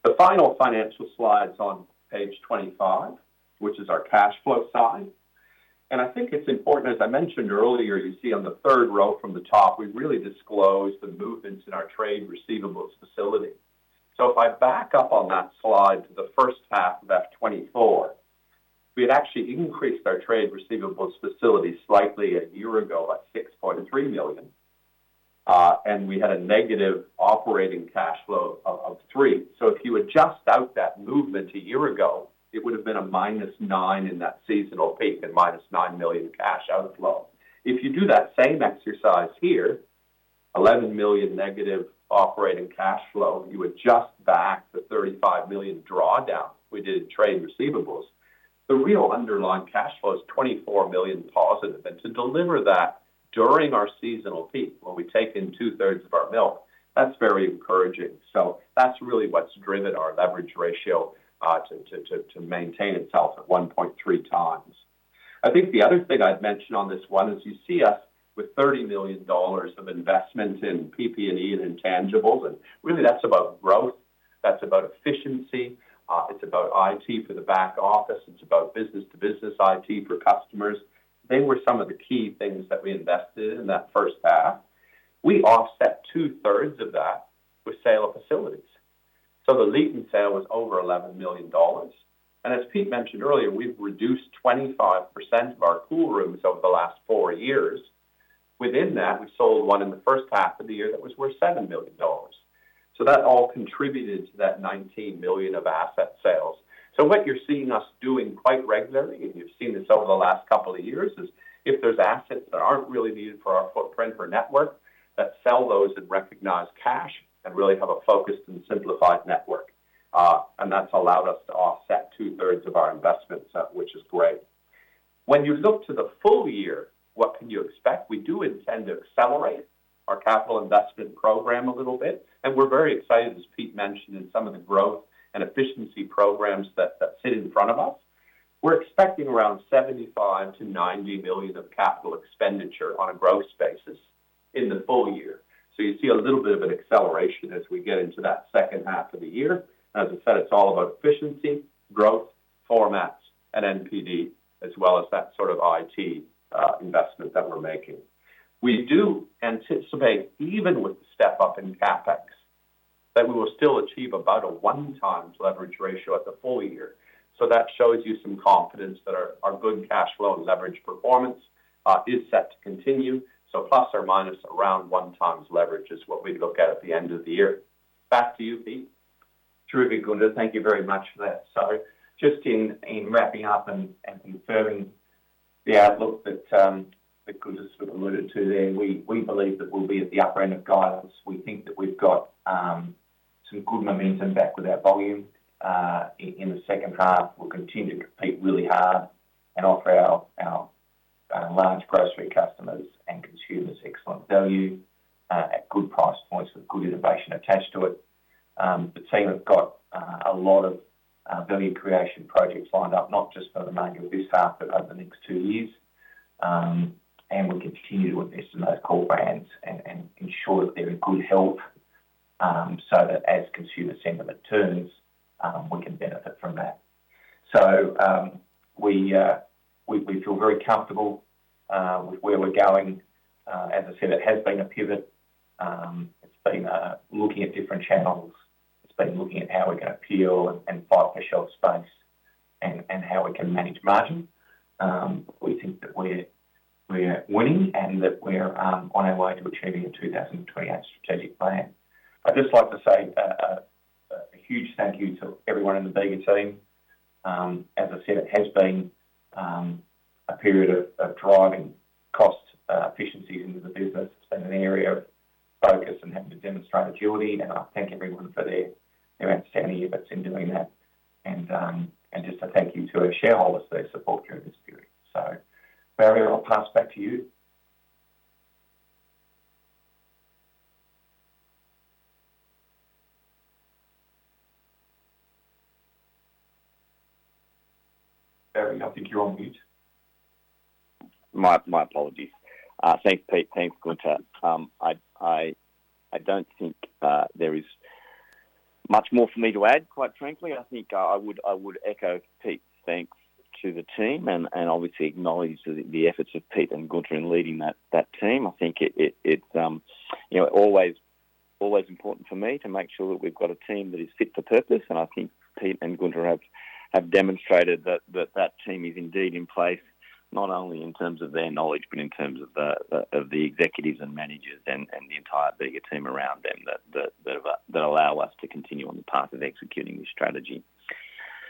The final financial slide's on page 25, which is our cash flow side. And I think it's important, as I mentioned earlier. You see on the third row from the top, we've really disclosed the movements in our trade receivables facility. So if I back up on that slide to the first half of FY 2024, we had actually increased our trade receivables facility slightly a year ago by 6.3 million. And we had a negative operating cash flow of 3 million. So if you adjust out that movement a year ago, it would have been a minus 9 million in that seasonal peak and minus 9 million cash outflow. If you do that same exercise here, 11 million negative operating cash flow. You adjust back the 35 million drawdown we did in trade receivables. The real underlying cash flow is 24 million positive. And to deliver that during our seasonal peak, when we take in two-thirds of our milk, that's very encouraging. So that's really what's driven our leverage ratio to maintain itself at 1.3x. I think the other thing I'd mention on this one is you see us with 30 million dollars of investment in PP&E and intangibles. And really, that's about growth. That's about efficiency. It's about IT for the back office. It's about business-to-business IT for customers. They were some of the key things that we invested in that first half. We offset two-thirds of that with sale of facilities. So the Leeton sale was over 11 million dollars. And as Pete mentioned earlier, we've reduced 25% of our cool rooms over the last four years. Within that, we sold one in the first half of the year that was worth 7 million dollars. So that all contributed to that 19 million of asset sales. What you're seeing us doing quite regularly, and you've seen this over the last couple of years, is if there's assets that aren't really needed for our footprint or network, that sell those and recognize cash and really have a focused and simplified network. That's allowed us to offset two-thirds of our investments, which is great. When you look to the full year, what can you expect? We do intend to accelerate our capital investment program a little bit. We're very excited, as Pete mentioned, in some of the growth and efficiency programs that sit in front of us. We're expecting around 75 million-90 million of capital expenditure on a growth basis in the full year. You see a little bit of an acceleration as we get into that second half of the year. As I said, it's all about efficiency, growth, formats, and NPD, as well as that sort of IT investment that we're making. We do anticipate, even with the step up in CapEx, that we will still achieve about a 1.0x leverage ratio at the full year. That shows you some confidence that our good cash flow and leverage performance is set to continue. Plus or minus around 1.0x leverage is what we'd look at at the end of the year. Back to you, Pete. Terrific, Gunther. Thank you very much for that. Just in wrapping up and confirming the outlook that Gunther sort of alluded to there, we believe that we'll be at the upper end of guidance. We think that we've got some good momentum back with our volume in the second half. We'll continue to compete really hard and offer our large grocery customers and consumers excellent value at good price points with good innovation attached to it, but seeing we've got a lot of value creation projects lined up, not just for the remainder of this half, but over the next two years, and we'll continue to invest in those core brands and ensure that they're in good health so that as consumer sentiment turns, we can benefit from that, so we feel very comfortable with where we're going. As I said, it has been a pivot. It's been looking at different channels. It's been looking at how we can appeal and fight for shelf space and how we can manage margin. We think that we're winning and that we're on our way to achieving a 2028 strategic plan. I'd just like to say a huge thank you to everyone in the Bega team. As I said, it has been a period of driving cost efficiencies into the business. It's been an area of focus and having to demonstrate agility. And I thank everyone for their outstanding efforts in doing that. And just a thank you to our shareholders for their support during this period. So Barry, I'll pass back to you. Barry, I think you're on mute. My apologies. Thanks, Pete. Thanks, Gunther. I don't think there is much more for me to add, quite frankly. I think I would echo Pete's thanks to the team and obviously acknowledge the efforts of Pete and Gunther in leading that team. I think it's always important for me to make sure that we've got a team that is fit for purpose. And I think Pete and Gunther have demonstrated that that team is indeed in place, not only in terms of their knowledge, but in terms of the executives and managers and the entire Bega team around them that allow us to continue on the path of executing this strategy.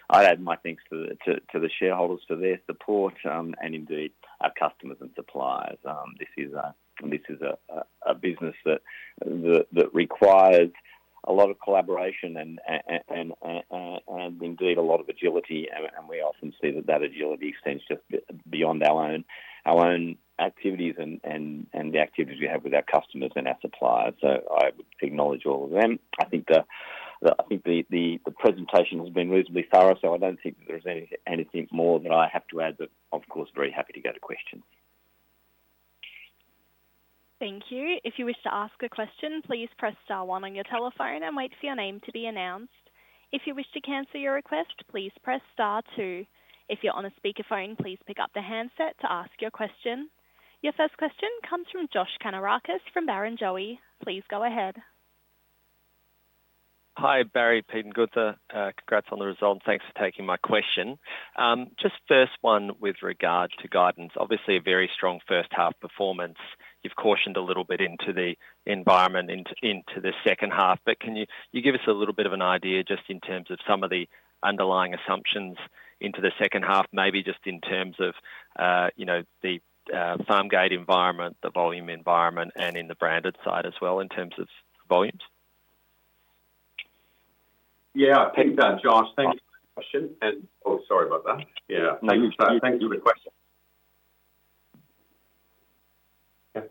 I'd add my thanks to the shareholders for their support and indeed our customers and suppliers. This is a business that requires a lot of collaboration and indeed a lot of agility. And we often see that that agility extends just beyond our own activities and the activities we have with our customers and our suppliers. So I would acknowledge all of them. I think the presentation has been reasonably thorough. So I don't think that there's anything more that I have to add. But of course, very happy to go to questions. Thank you. If you wish to ask a question, please press star one on your telephone and wait for your name to be announced. If you wish to cancel your request, please press star two. If you're on a speakerphone, please pick up the handset to ask your question. Your first question comes from Josh Kannourakis from Barrenjoey. Please go ahead. Hi, Barry, Pete and Gunther. Congrats on the result. And thanks for taking my question. Just first one with regard to guidance. Obviously, a very strong first half performance. You've cautioned a little bit into the environment into the second half. But can you give us a little bit of an idea just in terms of some of the underlying assumptions into the second half, maybe just in terms of the farm gate environment, the volume environment, and in the branded side as well in terms of volumes? Yeah. Pete and Josh, thank you for the question.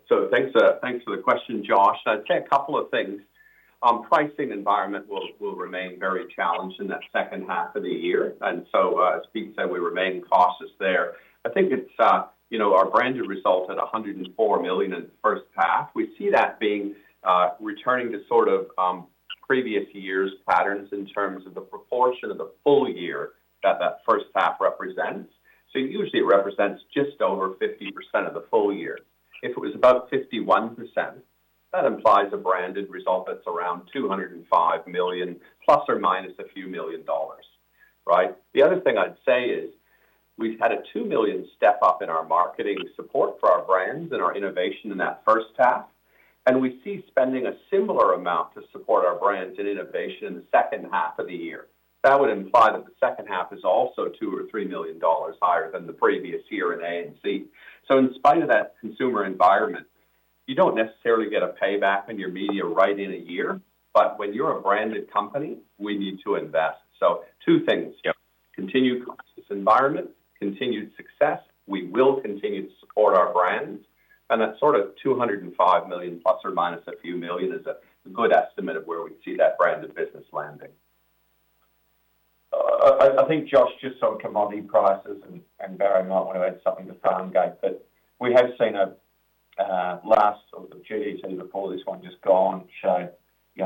So thanks for the question, Josh. I'd say a couple of things. Pricing environment will remain very challenged in that second half of the year. And so as Pete said, we remain cautious there. I think our branded result at 104 million in the first half, we see that being returning to sort of previous year's patterns in terms of the proportion of the full year that that first half represents. So usually, it represents just over 50% of the full year. If it was about 51%, that implies a branded result that's around 205 million AUD plus or minus a few million AUD, right? The other thing I'd say is we've had a 2 million step up in our marketing support for our brands and our innovation in that first half. We see spending a similar amount to support our brands and innovation in the second half of the year. That would imply that the second half is also 2 million-3 million dollars higher than the previous year in A&P. So in spite of that consumer environment, you don't necessarily get a payback in your media right in a year. But when you're a branded company, we need to invest. So two things: continue pricing environment, continued success. We will continue to support our brands. And that sort of 205 million plus or minus a few million is a good estimate of where we'd see that branded business landing. I think Josh just on commodity prices and Barry might want to add something to farm gate. But we have seen a last sort of GDT before this one just gone, showing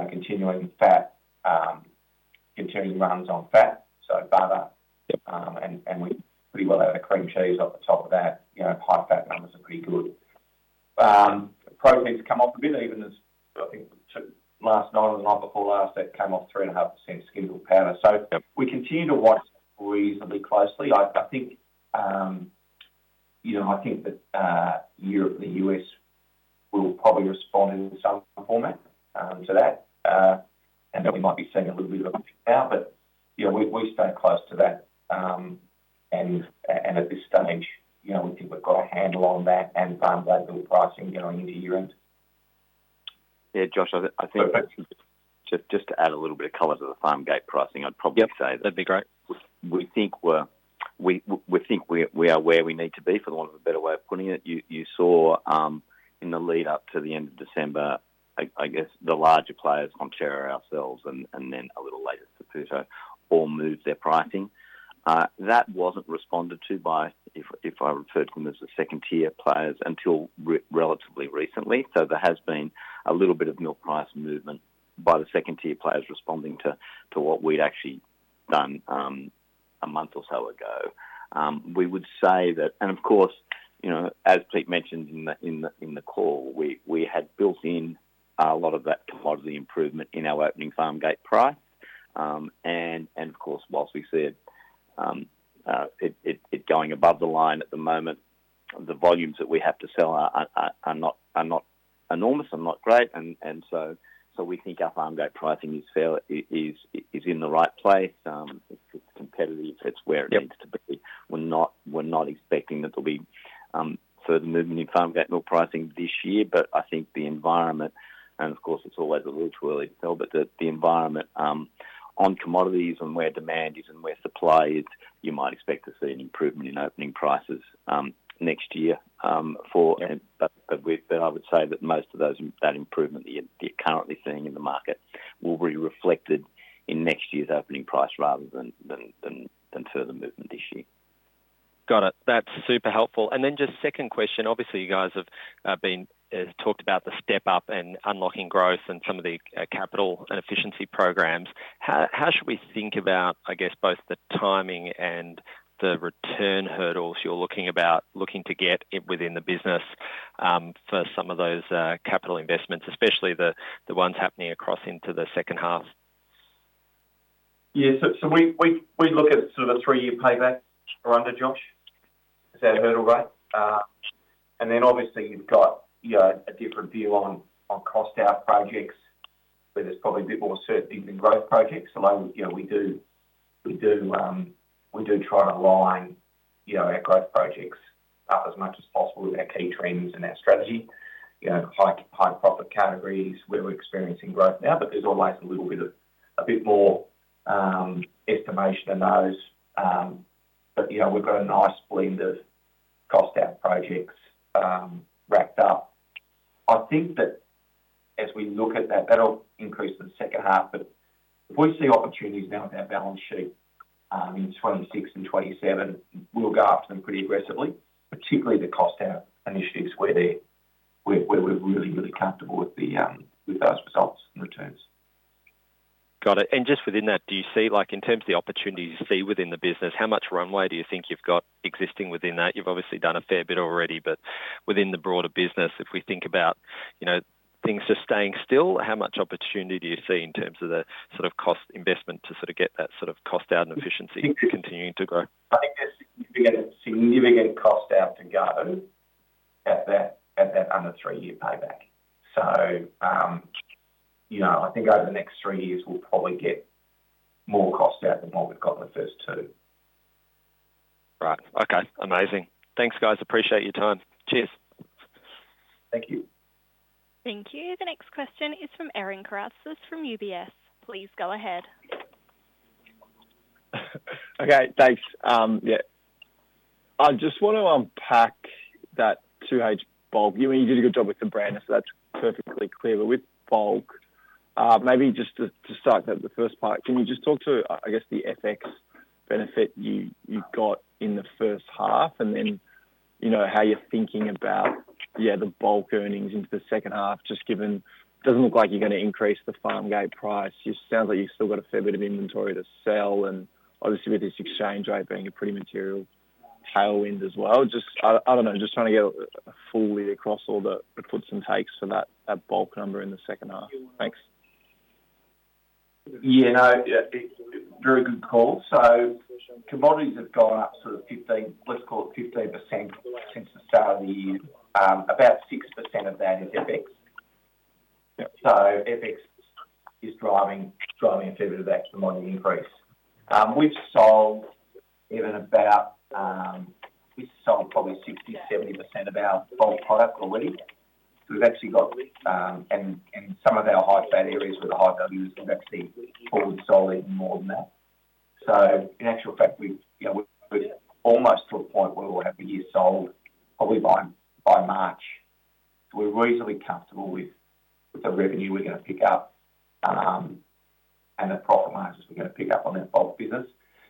continuing fat runs on fat, so butter. And we pretty well had a cream cheese off the top of that. High fat numbers are pretty good. Proteins come off a bit even as I think last night or the night before last, that came off 3.5% skim milk powder. So we continue to watch reasonably closely. I think that the U.S. will probably respond in some format to that. And we might be seeing a little bit of a pickup now. But we stay close to that. And at this stage, we think we've got a handle on that and farm gate milk pricing going into year-end. Yeah, Josh, I think just to add a little bit of color to the farm gate pricing, I'd probably say that we think we are where we need to be for the want of a better way of putting it. You saw in the lead-up to the end of December, I guess the larger players, Fonterra, ourselves, and then a little later Saputo, all moved their pricing. That wasn't responded to by, if I refer to them as the second-tier players, until relatively recently. So there has been a little bit of milk price movement by the second-tier players responding to what we'd actually done a month or so ago. We would say that, and of course, as Pete mentioned in the call, we had built in a lot of that commodity improvement in our opening farm gate price. And of course, whilst we see it going above the line at the moment, the volumes that we have to sell are not enormous and not great. And so we think our farm gate pricing is in the right place. It's competitive. It's where it needs to be. We're not expecting that there'll be further movement in farm gate milk pricing this year. But I think the environment, and of course, it's always a little too early to tell, but the environment on commodities and where demand is and where supply is, you might expect to see an improvement in opening prices next year for. But I would say that most of that improvement that you're currently seeing in the market will be reflected in next year's opening price rather than further movement this year. Got it. That's super helpful. And then just second question. Obviously, you guys have talked about the step up and unlocking growth and some of the capital and efficiency programs. How should we think about, I guess, both the timing and the return hurdles you're looking to get within the business for some of those capital investments, especially the ones happening across into the second half? Yeah. So we look at sort of a three-year payback or under, Josh. Is that a hurdle rate? And then obviously, you've got a different view on cost out projects where there's probably a bit more certainty than growth projects. We do try to align our growth projects up as much as possible with our key trends and our strategy. High profit categories where we're experiencing growth now. But there's always a little bit more estimation in those. But we've got a nice blend of cost out projects wrapped up. I think that as we look at that, that'll increase in the second half. But if we see opportunities now with our balance sheet in 2026 and 2027, we'll go after them pretty aggressively, particularly the cost out initiatives where we're really, really comfortable with those results and returns. Got it. And just within that, do you see in terms of the opportunities you see within the business, how much runway do you think you've got existing within that? You've obviously done a fair bit already. But within the broader business, if we think about things just staying still, how much opportunity do you see in terms of the sort of cost investment to sort of get that sort of cost out and efficiency continuing to grow? I think there's significant cost out to go at that under three-year payback. So I think over the next three years, we'll probably get more cost out than what we've got in the first two. Right. Okay. Amazing. Thanks, guys. Appreciate your time. Cheers. Thank you. Thank you. The next question is from Evan Karatzas from UBS. Please go ahead. Okay. Thanks. Yeah. I just want to unpack that 2H Bega. You did a good job with the brand, so that's perfectly clear. But with Bega, maybe just to start the first part, can you just talk to, I guess, the FX benefit you got in the first half and then how you're thinking about, yeah, the Bega earnings into the second half, just given it doesn't look like you're going to increase the farm gate price. It sounds like you've still got a fair bit of inventory to sell. And obviously, with this exchange rate being a pretty material tailwind as well. I don't know. Just trying to get a full read across all the puts and takes for that bulk number in the second half. Thanks. Yeah. No. Very good call. So commodities have gone up sort of 15%, let's call it 15% since the start of the year. About 6% of that is FX. So FX is driving a fair bit of that commodity increase. We've sold probably 60%-70% of our bulk product already. So we've actually got, and some of our high fat areas where the high value is, we've actually forward sold even more than that. So in actual fact, we're almost to a point where we'll have a year sold probably by March. We're reasonably comfortable with the revenue we're going to pick up and the profit margins we're going to pick up on that bulk business.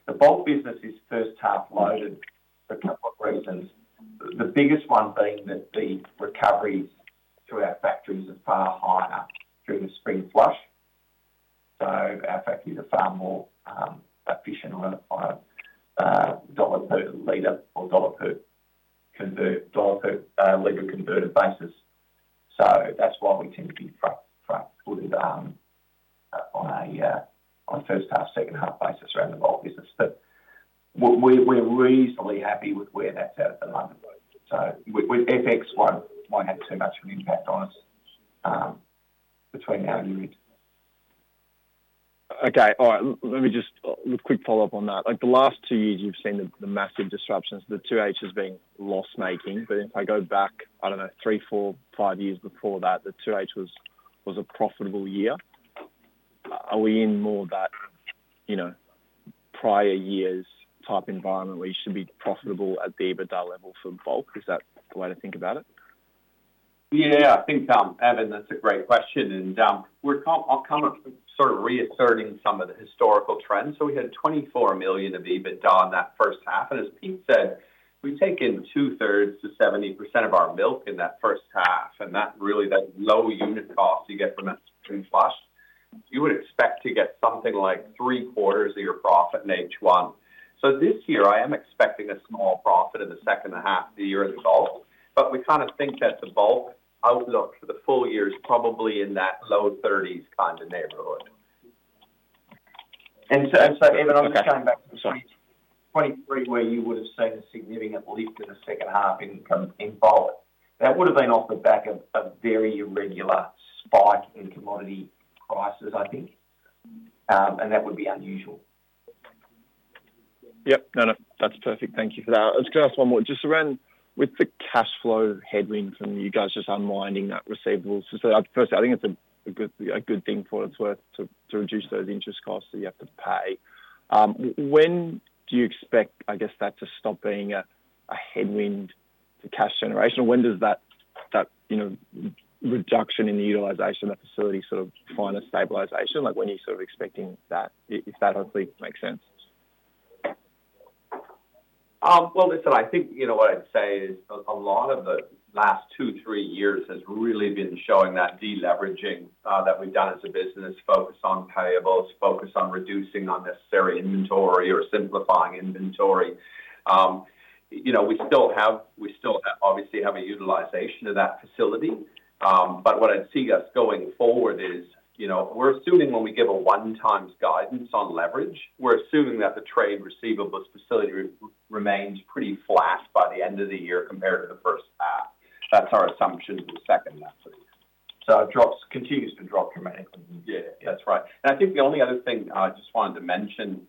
The bulk business is first half loaded for a couple of reasons. The biggest one being that the recoveries to our factories are far higher during the spring flush. So our factories are far more efficient on a dollar per liter or dollar per liter converter basis. So that's why we tend to be quite good on a first half, second half basis around the bulk business. But we're reasonably happy with where that's at the moment. So with FX, it won't have too much of an impact on us between now and the end. Okay. All right. Let me just quick follow-up on that. The last two years, you've seen the massive disruptions. The 2H has been loss-making. But if I go back, I don't know, three, four, five years before that, the 2H was a profitable year. Are we in more of that prior years type environment where you should be profitable at the EBITDA level for Bega? Is that the way to think about it? Yeah. I think, Evan, that's a great question. And I'll come up sort of reasserting some of the historical trends. So we had 24 million of EBITDA in that first half. And as Pete said, we've taken two-thirds to 70% of our milk in that first half. And really, that low unit cost you get from that spring flush, you would expect to get something like three-quarters of your profit in H1. So this year, I am expecting a small profit in the second half of the year for Bega. But we kind of think that the Bega outlook for the full year is probably in that low 30s kind of neighborhood. And so, Evan, I'm just going back to 2023, where you would have seen a significant leap in the second half in Bega. That would have been off the back of a very irregular spike in commodity prices, I think. And that would be unusual. Yep. No, no. That's perfect. Thank you for that. I was going to ask one more. Just around the cash flow headwind from you guys just unwinding that receivables. So first, I think it's a good thing for what it's worth to reduce those interest costs that you have to pay. When do you expect, I guess, that to stop being a headwind to cash generation? Or when does that reduction in the utilization of the facility sort of find a stabilization? When are you sort of expecting that, if that hopefully makes sense? Well, listen, I think what I'd say is a lot of the last two, three years has really been showing that deleveraging that we've done as a business, focus on payables, focus on reducing unnecessary inventory or simplifying inventory. We still obviously have a utilization of that facility, but what I'd see us going forward is we're assuming when we give a one-time guidance on leverage, we're assuming that the trade receivables facility remains pretty flat by the end of the year compared to the first half. That's our assumption in the second half of the year, so it continues to drop dramatically. Yeah, that's right, and I think the only other thing I just wanted to mention,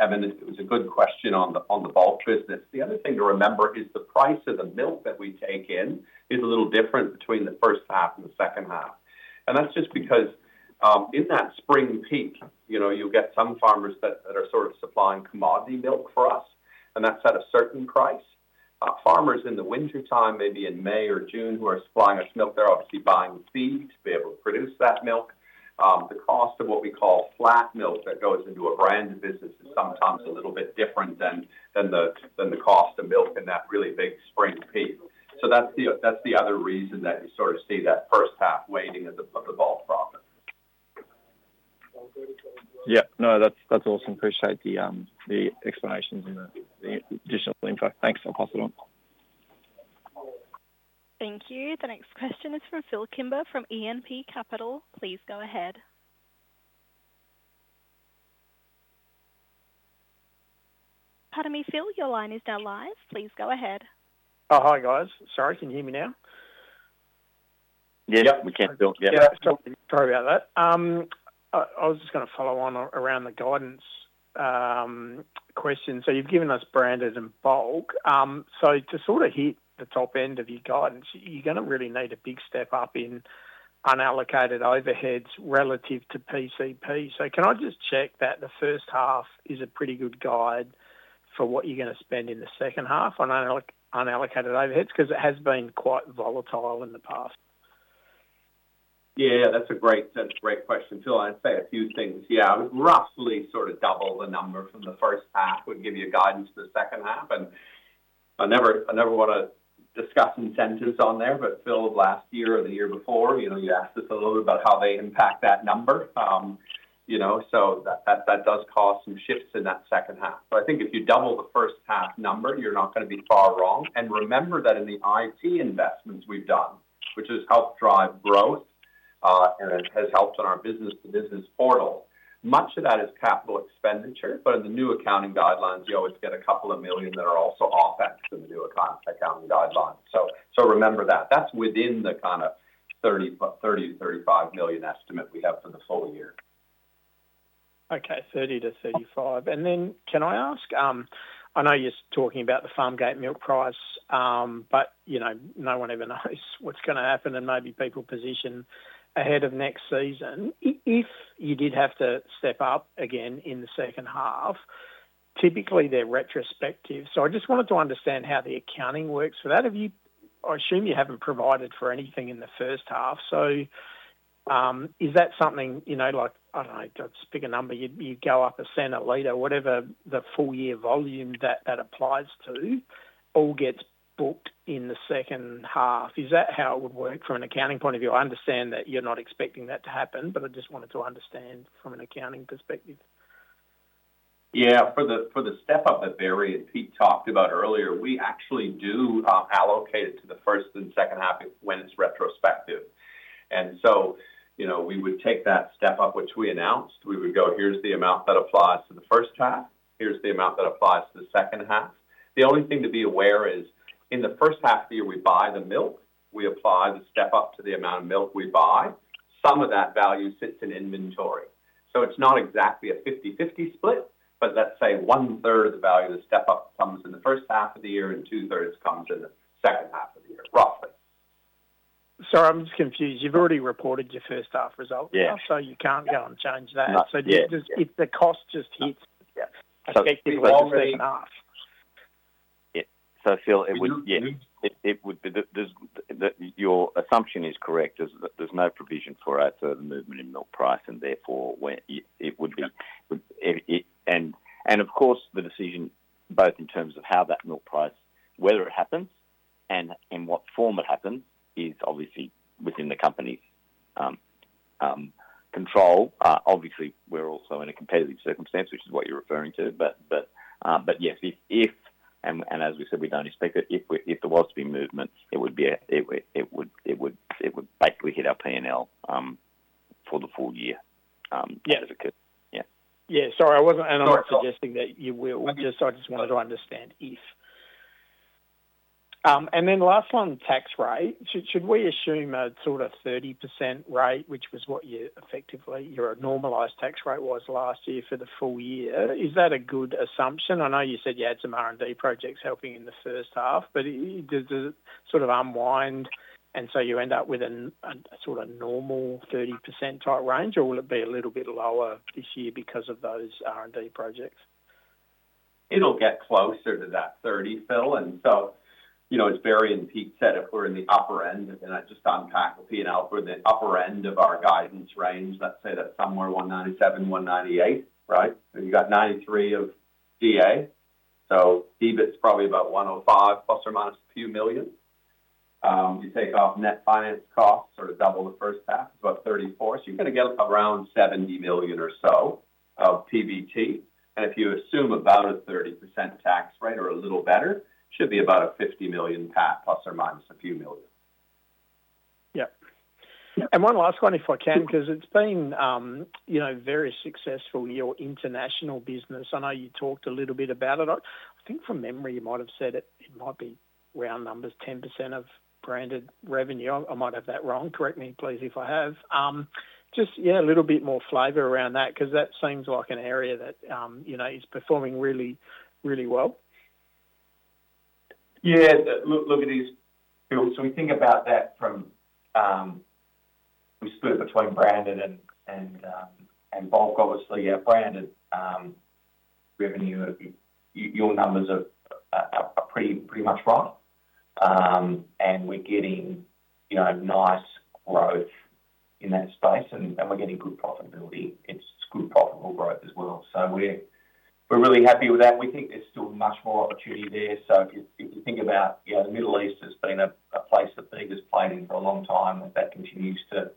Evan, it was a good question on the bulk business. The other thing to remember is the price of the milk that we take in is a little different between the first half and the second half, and that's just because in that spring peak, you'll get some farmers that are sort of supplying commodity milk for us, and that's at a certain price. Farmers in the wintertime, maybe in May or June, who are supplying us milk, they're obviously buying feed to be able to produce that milk. The cost of what we call flat milk that goes into a branded business is sometimes a little bit different than the cost of milk in that really big spring peak, so that's the other reason that you sort of see that first half weighting of the bulk product. Yeah. No, that's awesome. Appreciate the explanations and the additional info. Thanks. I'll pass it on. Thank you. The next question is from Phil Kimber from E&P Capital. Please go ahead. Pardon me, Phil. Your line is now live. Please go ahead. Oh, hi, guys. Sorry. Can you hear me now? Yep. We can, Phil. Yeah. Sorry about that. I was just going to follow on around the guidance question. So you've given us branded and bulk. So to sort of hit the top end of your guidance, you're going to really need a big step up in unallocated overheads relative to PCP. So can I just check that the first half is a pretty good guide for what you're going to spend in the second half on unallocated overheads? Because it has been quite volatile in the past. Yeah. That's a great question, Phil. I'd say a few things. Yeah. I would roughly sort of double the number from the first half would give you guidance for the second half. And I never want to discuss incentives on there, but Phil of last year or the year before, you asked us a little bit about how they impact that number. So that does cause some shifts in that second half. But I think if you double the first half number, you're not going to be far wrong. And remember that in the IT investments we've done, which has helped drive growth and has helped on our business-to-business portal, much of that is capital expenditure. But in the new accounting guidelines, you always get a couple of million that are also OpEx in the new accounting guidelines. So remember that. That's within the kind of 30 million-35 million estimate we have for the full year. Okay. 30-35. And then, can I ask? I know you're talking about the farm gate milk price, but no one ever knows what's going to happen. And maybe people position ahead of next season. If you did have to step up again in the second half, typically they're retrospective. So I just wanted to understand how the accounting works for that. I assume you haven't provided for anything in the first half. So is that something like, I don't know, just pick a number, you go up a cent a liter, whatever the full-year volume that applies to all gets booked in the second half? Is that how it would work from an accounting point of view? I understand that you're not expecting that to happen, but I just wanted to understand from an accounting perspective. Yeah. For the step up that Barry and Pete talked about earlier, we actually do allocate it to the first and second half when it's retrospective. And so we would take that step up, which we announced. We would go, "Here's the amount that applies to the first half. Here's the amount that applies to the second half." The only thing to be aware is in the first half of the year, we buy the milk. We apply the step up to the amount of milk we buy. Some of that value sits in inventory. So it's not exactly a 50/50 split, but let's say one-third of the value of the step up comes in the first half of the year and two-thirds comes in the second half of the year, roughly. Sorry, I'm just confused. You've already reported your first half result. So you can't go and change that. So if the cost just hits. Yeah. Okay. So it was the second half. So Phil, yeah, your assumption is correct, that there's no provision for a further movement in milk price and therefore it would be, and of course, the decision both in terms of how that milk price, whether it happens and in what form it happens, is obviously within the company's control. Obviously, we're also in a competitive circumstance, which is what you're referring to. But yes, if, and as we said, we don't expect it, if there was to be movement, it would basically hit our P&L for the full year as it occurs. Yeah. Yeah. Sorry, I wasn't and I'm not suggesting that you will. I just wanted to understand if. And then last one, tax rate. Should we assume a sort of 30% rate, which was, effectively, your normalized tax rate last year for the full year? Is that a good assumption? I know you said you had some R&D projects helping in the first half, but does it sort of unwind? And so you end up with a sort of normal 30% type range, or will it be a little bit lower this year because of those R&D projects? It'll get closer to that 30%, Phil. As Barry and Pete said, if we're in the upper end, and I just unpack the P&L, if we're in the upper end of our guidance range, let's say that's somewhere 197-198, right? So you've got 93 of D&A. So EBIT's probably about 105, plus or minus a few million. You take off net finance costs or double the first half, it's about 34. So you're going to get around 70 million or so of PBT. And if you assume about a 30% tax rate or a little better, it should be about 50 million plus or minus a few million. Yep. And one last one if I can, because it's been very successful in your international business. I know you talked a little bit about it. I think from memory, you might have said it might be round numbers, 10% of branded revenue. I might have that wrong. Correct me, please, if I have. Just, yeah, a little bit more flavor around that, because that seems like an area that is performing really, really well. Yeah. Look at these, Phil. So we think about that from we split between branded and bulk, obviously. Yeah. Branded revenue, your numbers are pretty much right. And we're getting nice growth in that space, and we're getting good profitability. It's good profitable growth as well. So we're really happy with that. We think there's still much more opportunity there. So if you think about the Middle East, it's been a place that Bega has played in for a long time, and that continues to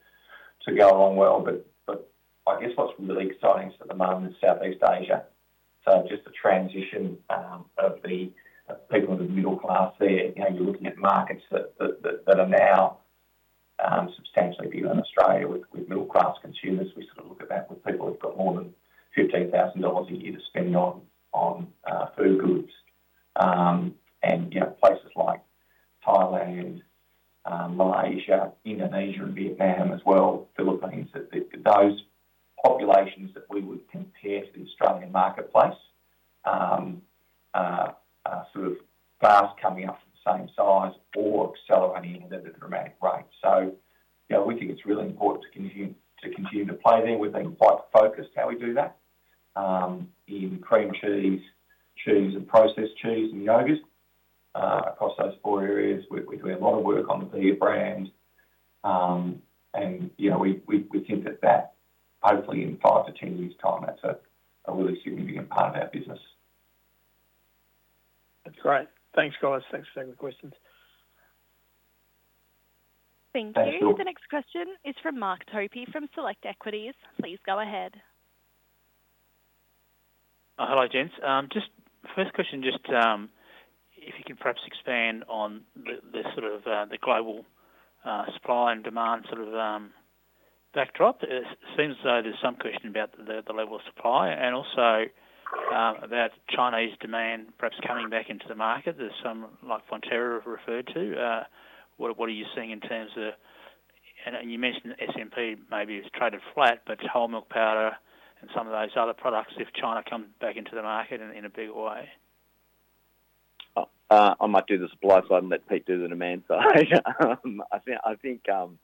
go a long way. But I guess what's really exciting at the moment is Southeast Asia. So just the transition of the people of the middle class there. You're looking at markets that are now substantially fewer in Australia with middle-class consumers. We sort of look at that with people who've got more than 15,000 dollars a year to spend on food goods. And places like Thailand, Malaysia, Indonesia, and Vietnam as well, Philippines, those populations that we would compare to the Australian marketplace are sort of fast coming up to the same size or accelerating at a dramatic rate. So we think it's really important to continue to play there. We've been quite focused how we do that in cream cheese, cheese and processed cheese, and yogurts across those four areas. We're doing a lot of work on the Bega brand. And we think that that, hopefully in 5 to 10 years' time, that's a really significant part of our business. That's great. Thanks, guys. Thanks for taking the questions. Thank you. The next question is from Mark Topy from Select Equities. Please go ahead. Hello, gents. Just first question, just if you can perhaps expand on the sort of the global supply and demand sort of backdrop. It seems as though there's some question about the level of supply and also about Chinese demand perhaps coming back into the market. There's some, like, Fonterra referred to. What are you seeing in terms of, and you mentioned GDT maybe has traded flat, but whole milk powder and some of those other products, if China comes back into the market in a bigger way? I might do the supply side and let Pete do the demand side. I think the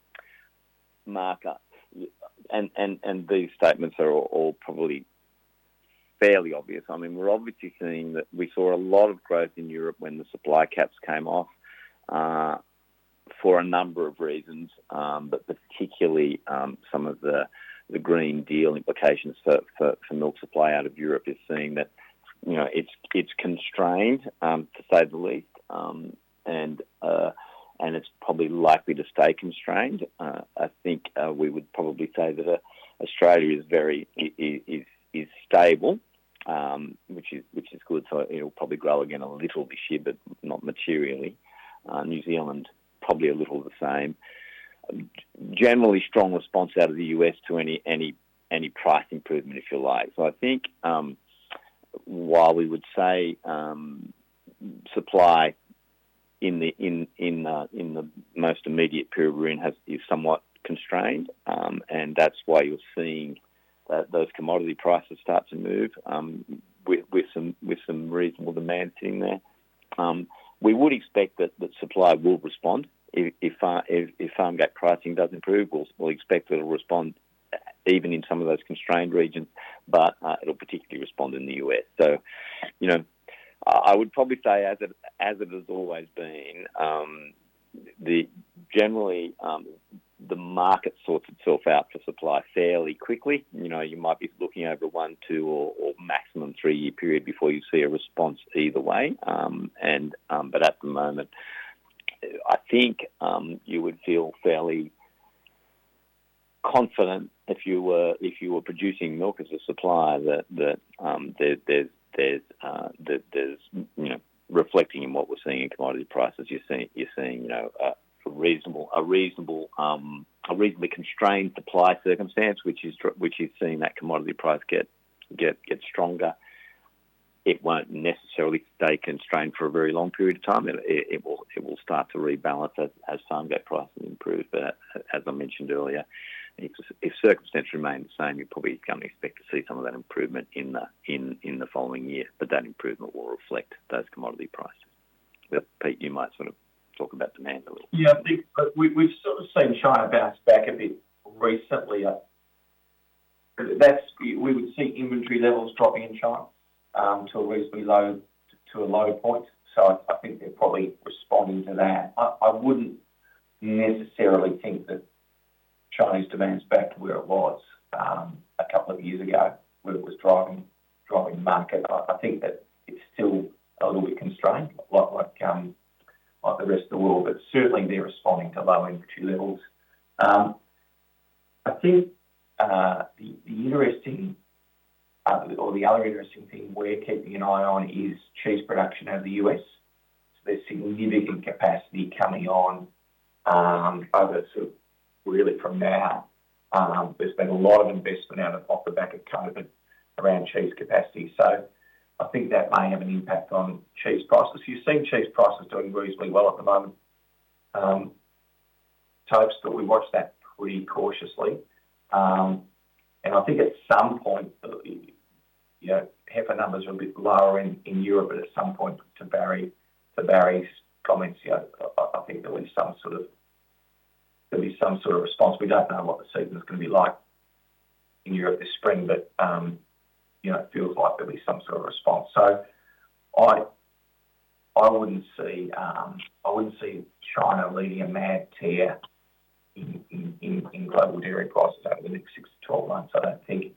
market and these statements are all probably fairly obvious. I mean, we're obviously seeing that we saw a lot of growth in Europe when the supply caps came off for a number of reasons, but particularly some of the Green Deal implications for milk supply out of Europe is seeing that it's constrained, to say the least, and it's probably likely to stay constrained. I think we would probably say that Australia is very stable, which is good. So it'll probably grow again a little this year, but not materially. New Zealand, probably a little the same. Generally, strong response out of the U.S. to any price improvement, if you like. So I think while we would say supply in the most immediate period we're in is somewhat constrained, and that's why you're seeing those commodity prices start to move with some reasonable demand sitting there. We would expect that supply will respond. If farm gate pricing doesn't improve, we'll expect it'll respond even in some of those constrained regions, but it'll particularly respond in the U.S.. So I would probably say, as it has always been, generally the market sorts itself out for supply fairly quickly. You might be looking over one, two, or maximum three-year period before you see a response either way. But at the moment, I think you would feel fairly confident if you were producing milk as a supply that there's reflecting in what we're seeing in commodity prices. You're seeing a reasonably constrained supply circumstance, which is seeing that commodity price get stronger. It won't necessarily stay constrained for a very long period of time. It will start to rebalance as farm gate prices improve. But as I mentioned earlier, if circumstances remain the same, you're probably going to expect to see some of that improvement in the following year. But that improvement will reflect those commodity prices. Pete, you might sort of talk about demand a little. Yeah. I think we've sort of seen China bounce back a bit recently. We would see inventory levels dropping in China to a reasonably low point. So I think they're probably responding to that. I wouldn't necessarily think that Chinese demand's back to where it was a couple of years ago where it was driving market. I think that it's still a little bit constrained like the rest of the world, but certainly they're responding to low inventory levels. I think the interesting or the other interesting thing we're keeping an eye on is cheese production out of the U.S. So there's significant capacity coming on over sort of really from now. There's been a lot of investment off the back of COVID around cheese capacity. So I think that may have an impact on cheese prices. You've seen cheese prices doing reasonably well at the moment. So I expect we watch that pretty cautiously. I think at some point, yeah, GDT numbers are a bit lower in Europe, but at some point, to Barry's comments, I think there'll be some sort of response. We don't know what the season's going to be like in Europe this spring, but it feels like there'll be some sort of response. I wouldn't see China leading a mad tear in global dairy prices over the next 6-12 months. I don't think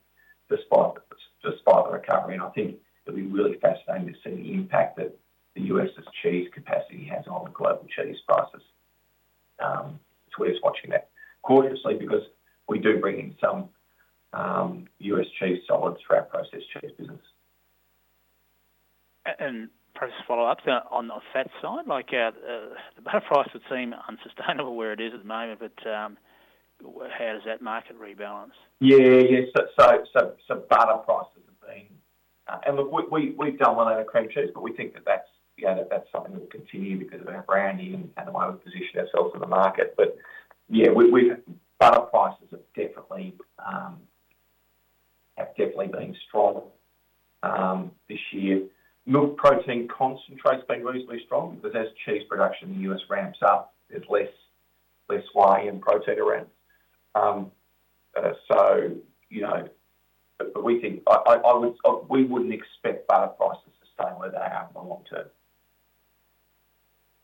despite the recovery. I think it'll be really fascinating to see the impact that the U.S.'s cheese capacity has on the global cheese prices. We're just watching that cautiously because we do bring in some U.S. cheese solids for our processed cheese business. And processed follow-ups on the fat side, like the butter price would seem unsustainable where it is at the moment, but how does that market rebalance? Yeah. Yeah. So butter prices have been and look, we've done well out of cream cheese, but we think that that's something that will continue because of our branding and the way we position ourselves in the market. But yeah, butter prices have definitely been strong this year. Milk protein concentrate's been reasonably strong because as cheese production in the U.S. ramps up, there's less why in protein around. So we think we wouldn't expect butter prices to stay where they are in the long term.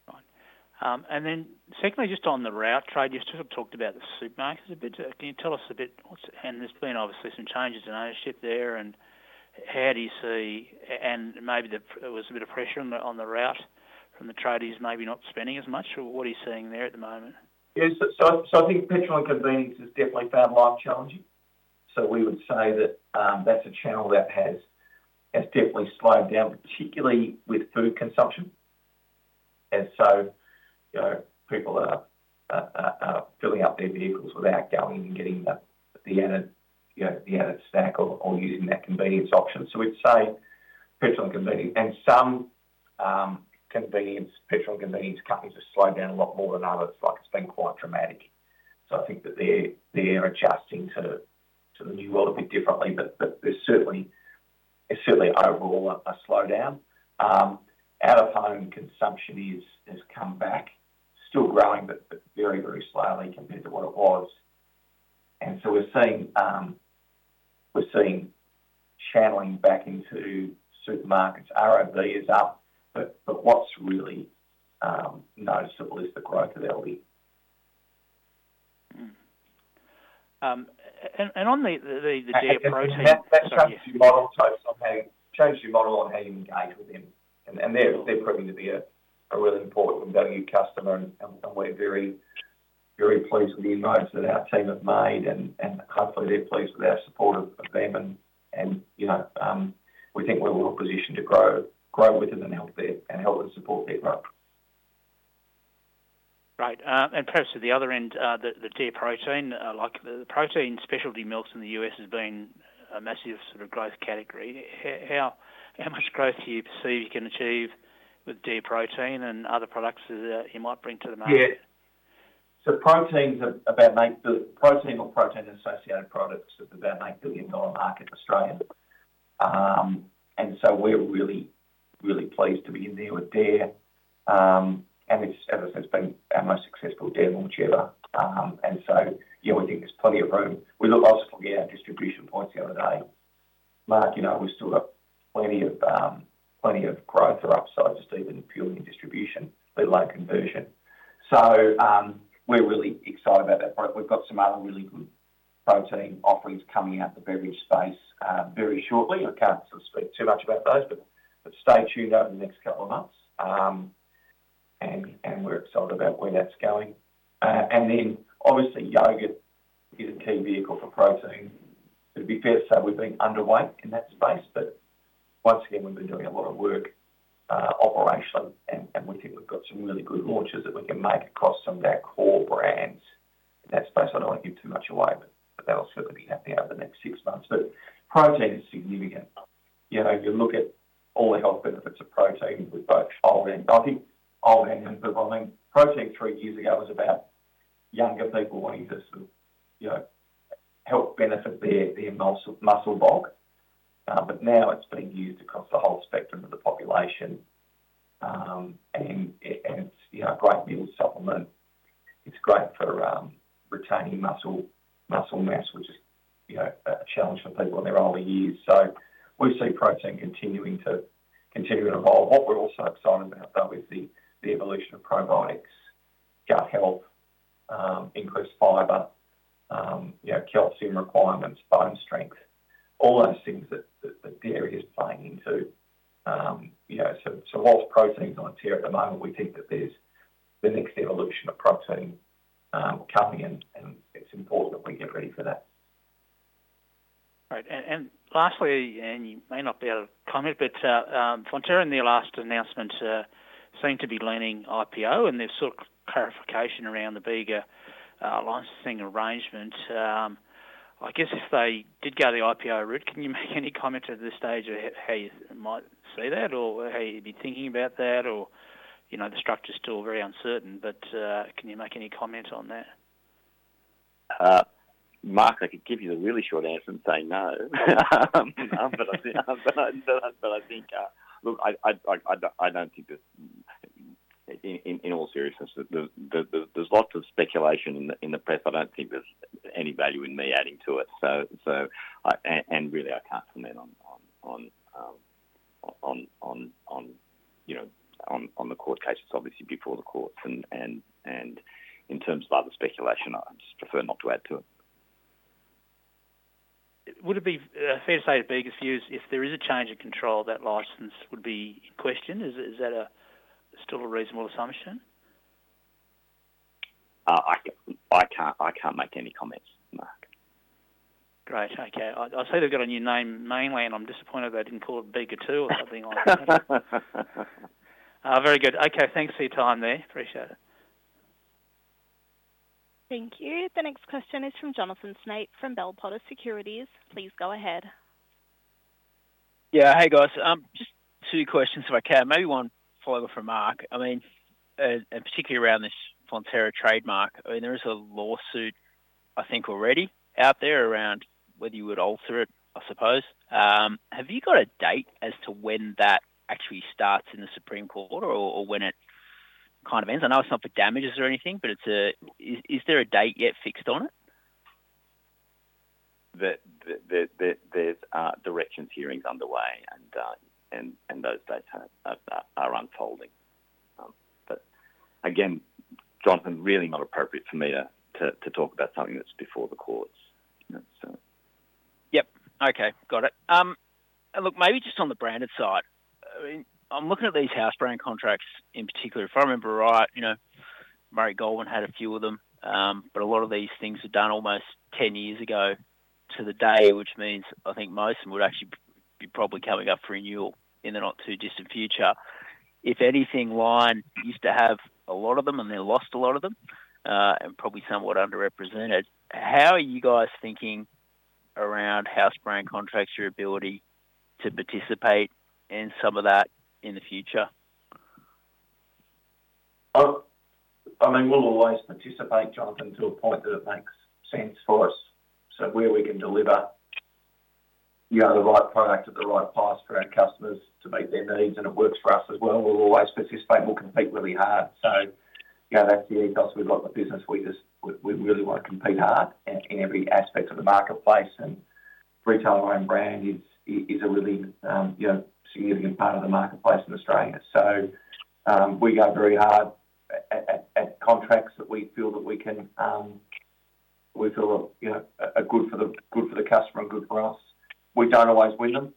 Right. And then secondly, just on the route trade, you sort of talked about the supermarkets a bit. Can you tell us a bit? And there's been obviously some changes in ownership there. And how do you see, and maybe there was a bit of pressure on the route trade from the traders maybe not spending as much? What are you seeing there at the moment? Yeah. So I think petrol and convenience has definitely found life challenging. So we would say that that's a channel that has definitely slowed down, particularly with food consumption. And so people are filling up their vehicles without going and getting the added snack or using that convenience option. So we'd say petrol and convenience. And some petrol and convenience companies have slowed down a lot more than others. It's been quite dramatic. So I think that they're adjusting to the new world a bit differently. But there's certainly overall a slowdown. Out-of-home consumption has come back, still growing, but very, very slowly compared to what it was. And so we're seeing channeling back into supermarkets. RSV is up, but what's really noticeable is the growth of Aldi. And on the dairy protein stuff, that's changed your model on how you engage with them. And they're proving to be a really important value customer. And we're very pleased with the improvements that our team have made. And hopefully, they're pleased with our support of them. And we think we're well positioned to grow with them and help them support their growth. Right. And perhaps at the other end, the dairy protein, like the protein specialty milks in the U.S., has been a massive sort of growth category. How much growth do you perceive you can achieve with dairy protein and other products that you might bring to the market? Yeah. So protein's about 8 billion. Protein or protein-associated products is about 8 billion dollar market in Australia. And so we're really, really pleased to be in there with dairy. And as I said, it's been our most successful dairy launch ever. And so, yeah, we think there's plenty of room. We look obviously from our distribution points the other day. Mark, we've still got plenty of growth or upside, just even purely in distribution, but low conversion. So we're really excited about that. We've got some other really good protein offerings coming out of the beverage space very shortly. I can't sort of speak too much about those, but stay tuned over the next couple of months. And we're excited about where that's going. And then, obviously, yogurt is a key vehicle for protein. It'd be fair to say we've been underweight in that space. But once again, we've been doing a lot of work operationally. We think we've got some really good launches that we can make across some of our core brands in that space. I don't want to give too much away, but that'll certainly be happening over the next six months. Protein is significant. You look at all the health benefits of protein with both old and I think old and improving. I mean, protein three years ago was about younger people wanting to sort of help benefit their muscle bulk. Now it's being used across the whole spectrum of the population. It's a great meal supplement. It's great for retaining muscle mass, which is a challenge for people in their older years. We see protein continuing to evolve. What we're also excited about, though, is the evolution of probiotics, gut health, increased fiber, calcium requirements, bone strength, all those things that dairy is playing into. While protein's on a tear at the moment, we think that there's the next evolution of protein coming. It's important that we get ready for that. Right. Lastly, you may not be able to comment, but Fonterra in their last announcement seemed to be leaning IPO, and there's sort of clarification around the bigger licensing arrangement. I guess if they did go the IPO route, can you make any comment at this stage of how you might see that or how you'd be thinking about that? The structure's still very uncertain, but can you make any comment on that? Mark, I could give you a really short answer and say no. I think, look, I don't think that in all seriousness, there's lots of speculation in the press. I don't think there's any value in me adding to it. And really, I can't comment on the court cases, obviously, before the courts. And in terms of other speculation, I just prefer not to add to it. Would it be fair to say the biggest issue is if there is a change of control, that license would be in question? Is that still a reasonable assumption? I can't make any comments, Mark. Great. Okay. I'll say they've got your name mainly, and I'm disappointed they didn't call it Bega Two or something like that. Very good. Okay. Thanks for your time there. Appreciate it. Thank you. The next question is from Jonathan Snape from Bell Potter Securities. Please go ahead. Yeah. Hey, guys. Just two questions if I can. Maybe one follow-up from Mark. I mean, and particularly around this Fonterra trademark, I mean, there is a lawsuit, I think, already out there around whether you would alter it, I suppose. Have you got a date as to when that actually starts in the Supreme Court or when it kind of ends? I know it's not for damages or anything, but is there a date yet fixed on it? There's directions hearings underway, and those dates are unfolding. But again, Jonathan, really not appropriate for me to talk about something that's before the courts, so. Yep. Okay. Got it. And look, maybe just on the branded side, I mean, I'm looking at these house brand contracts in particular. If I remember right, Murray Goulburn had a few of them. But a lot of these things were done almost 10 years ago to the day, which means I think most of them would actually be probably coming up for renewal in the not-too-distant future. If anything, Lion used to have a lot of them, and they lost a lot of them and probably some were underrepresented. How are you guys thinking around house brand contracts, your ability to participate in some of that in the future? I mean, we'll always participate, Jonathan, to a point that it makes sense for us. So where we can deliver the right product at the right price for our customers to meet their needs and it works for us as well, we'll always participate. We'll compete really hard. So that's the ethos we've got in the business. We really want to compete hard in every aspect of the marketplace. And retail brand is a really significant part of the marketplace in Australia. So we go very hard at contracts that we feel that we can we feel are good for the customer and good for us. We don't always win them,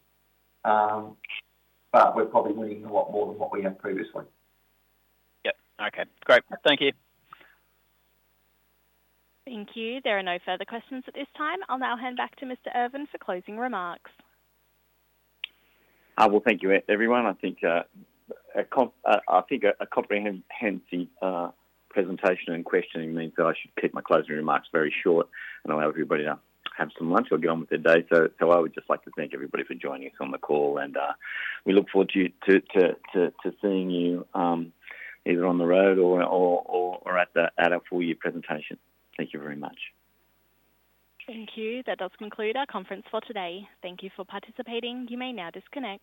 but we're probably winning a lot more than what we have previously. Yep. Okay. Great. Thank you. Thank you. There are no further questions at this time. I'll now hand back to Mr. Irvin for closing remarks. Well, thank you, everyone. I think a comprehensive presentation and questioning means that I should keep my closing remarks very short, and I'll have everybody have some lunch or get on with their day. So I would just like to thank everybody for joining us on the call. And we look forward to seeing you either on the road or at our full-year presentation. Thank you very much. Thank you. That does conclude our conference for today. Thank you for participating. You may now disconnect.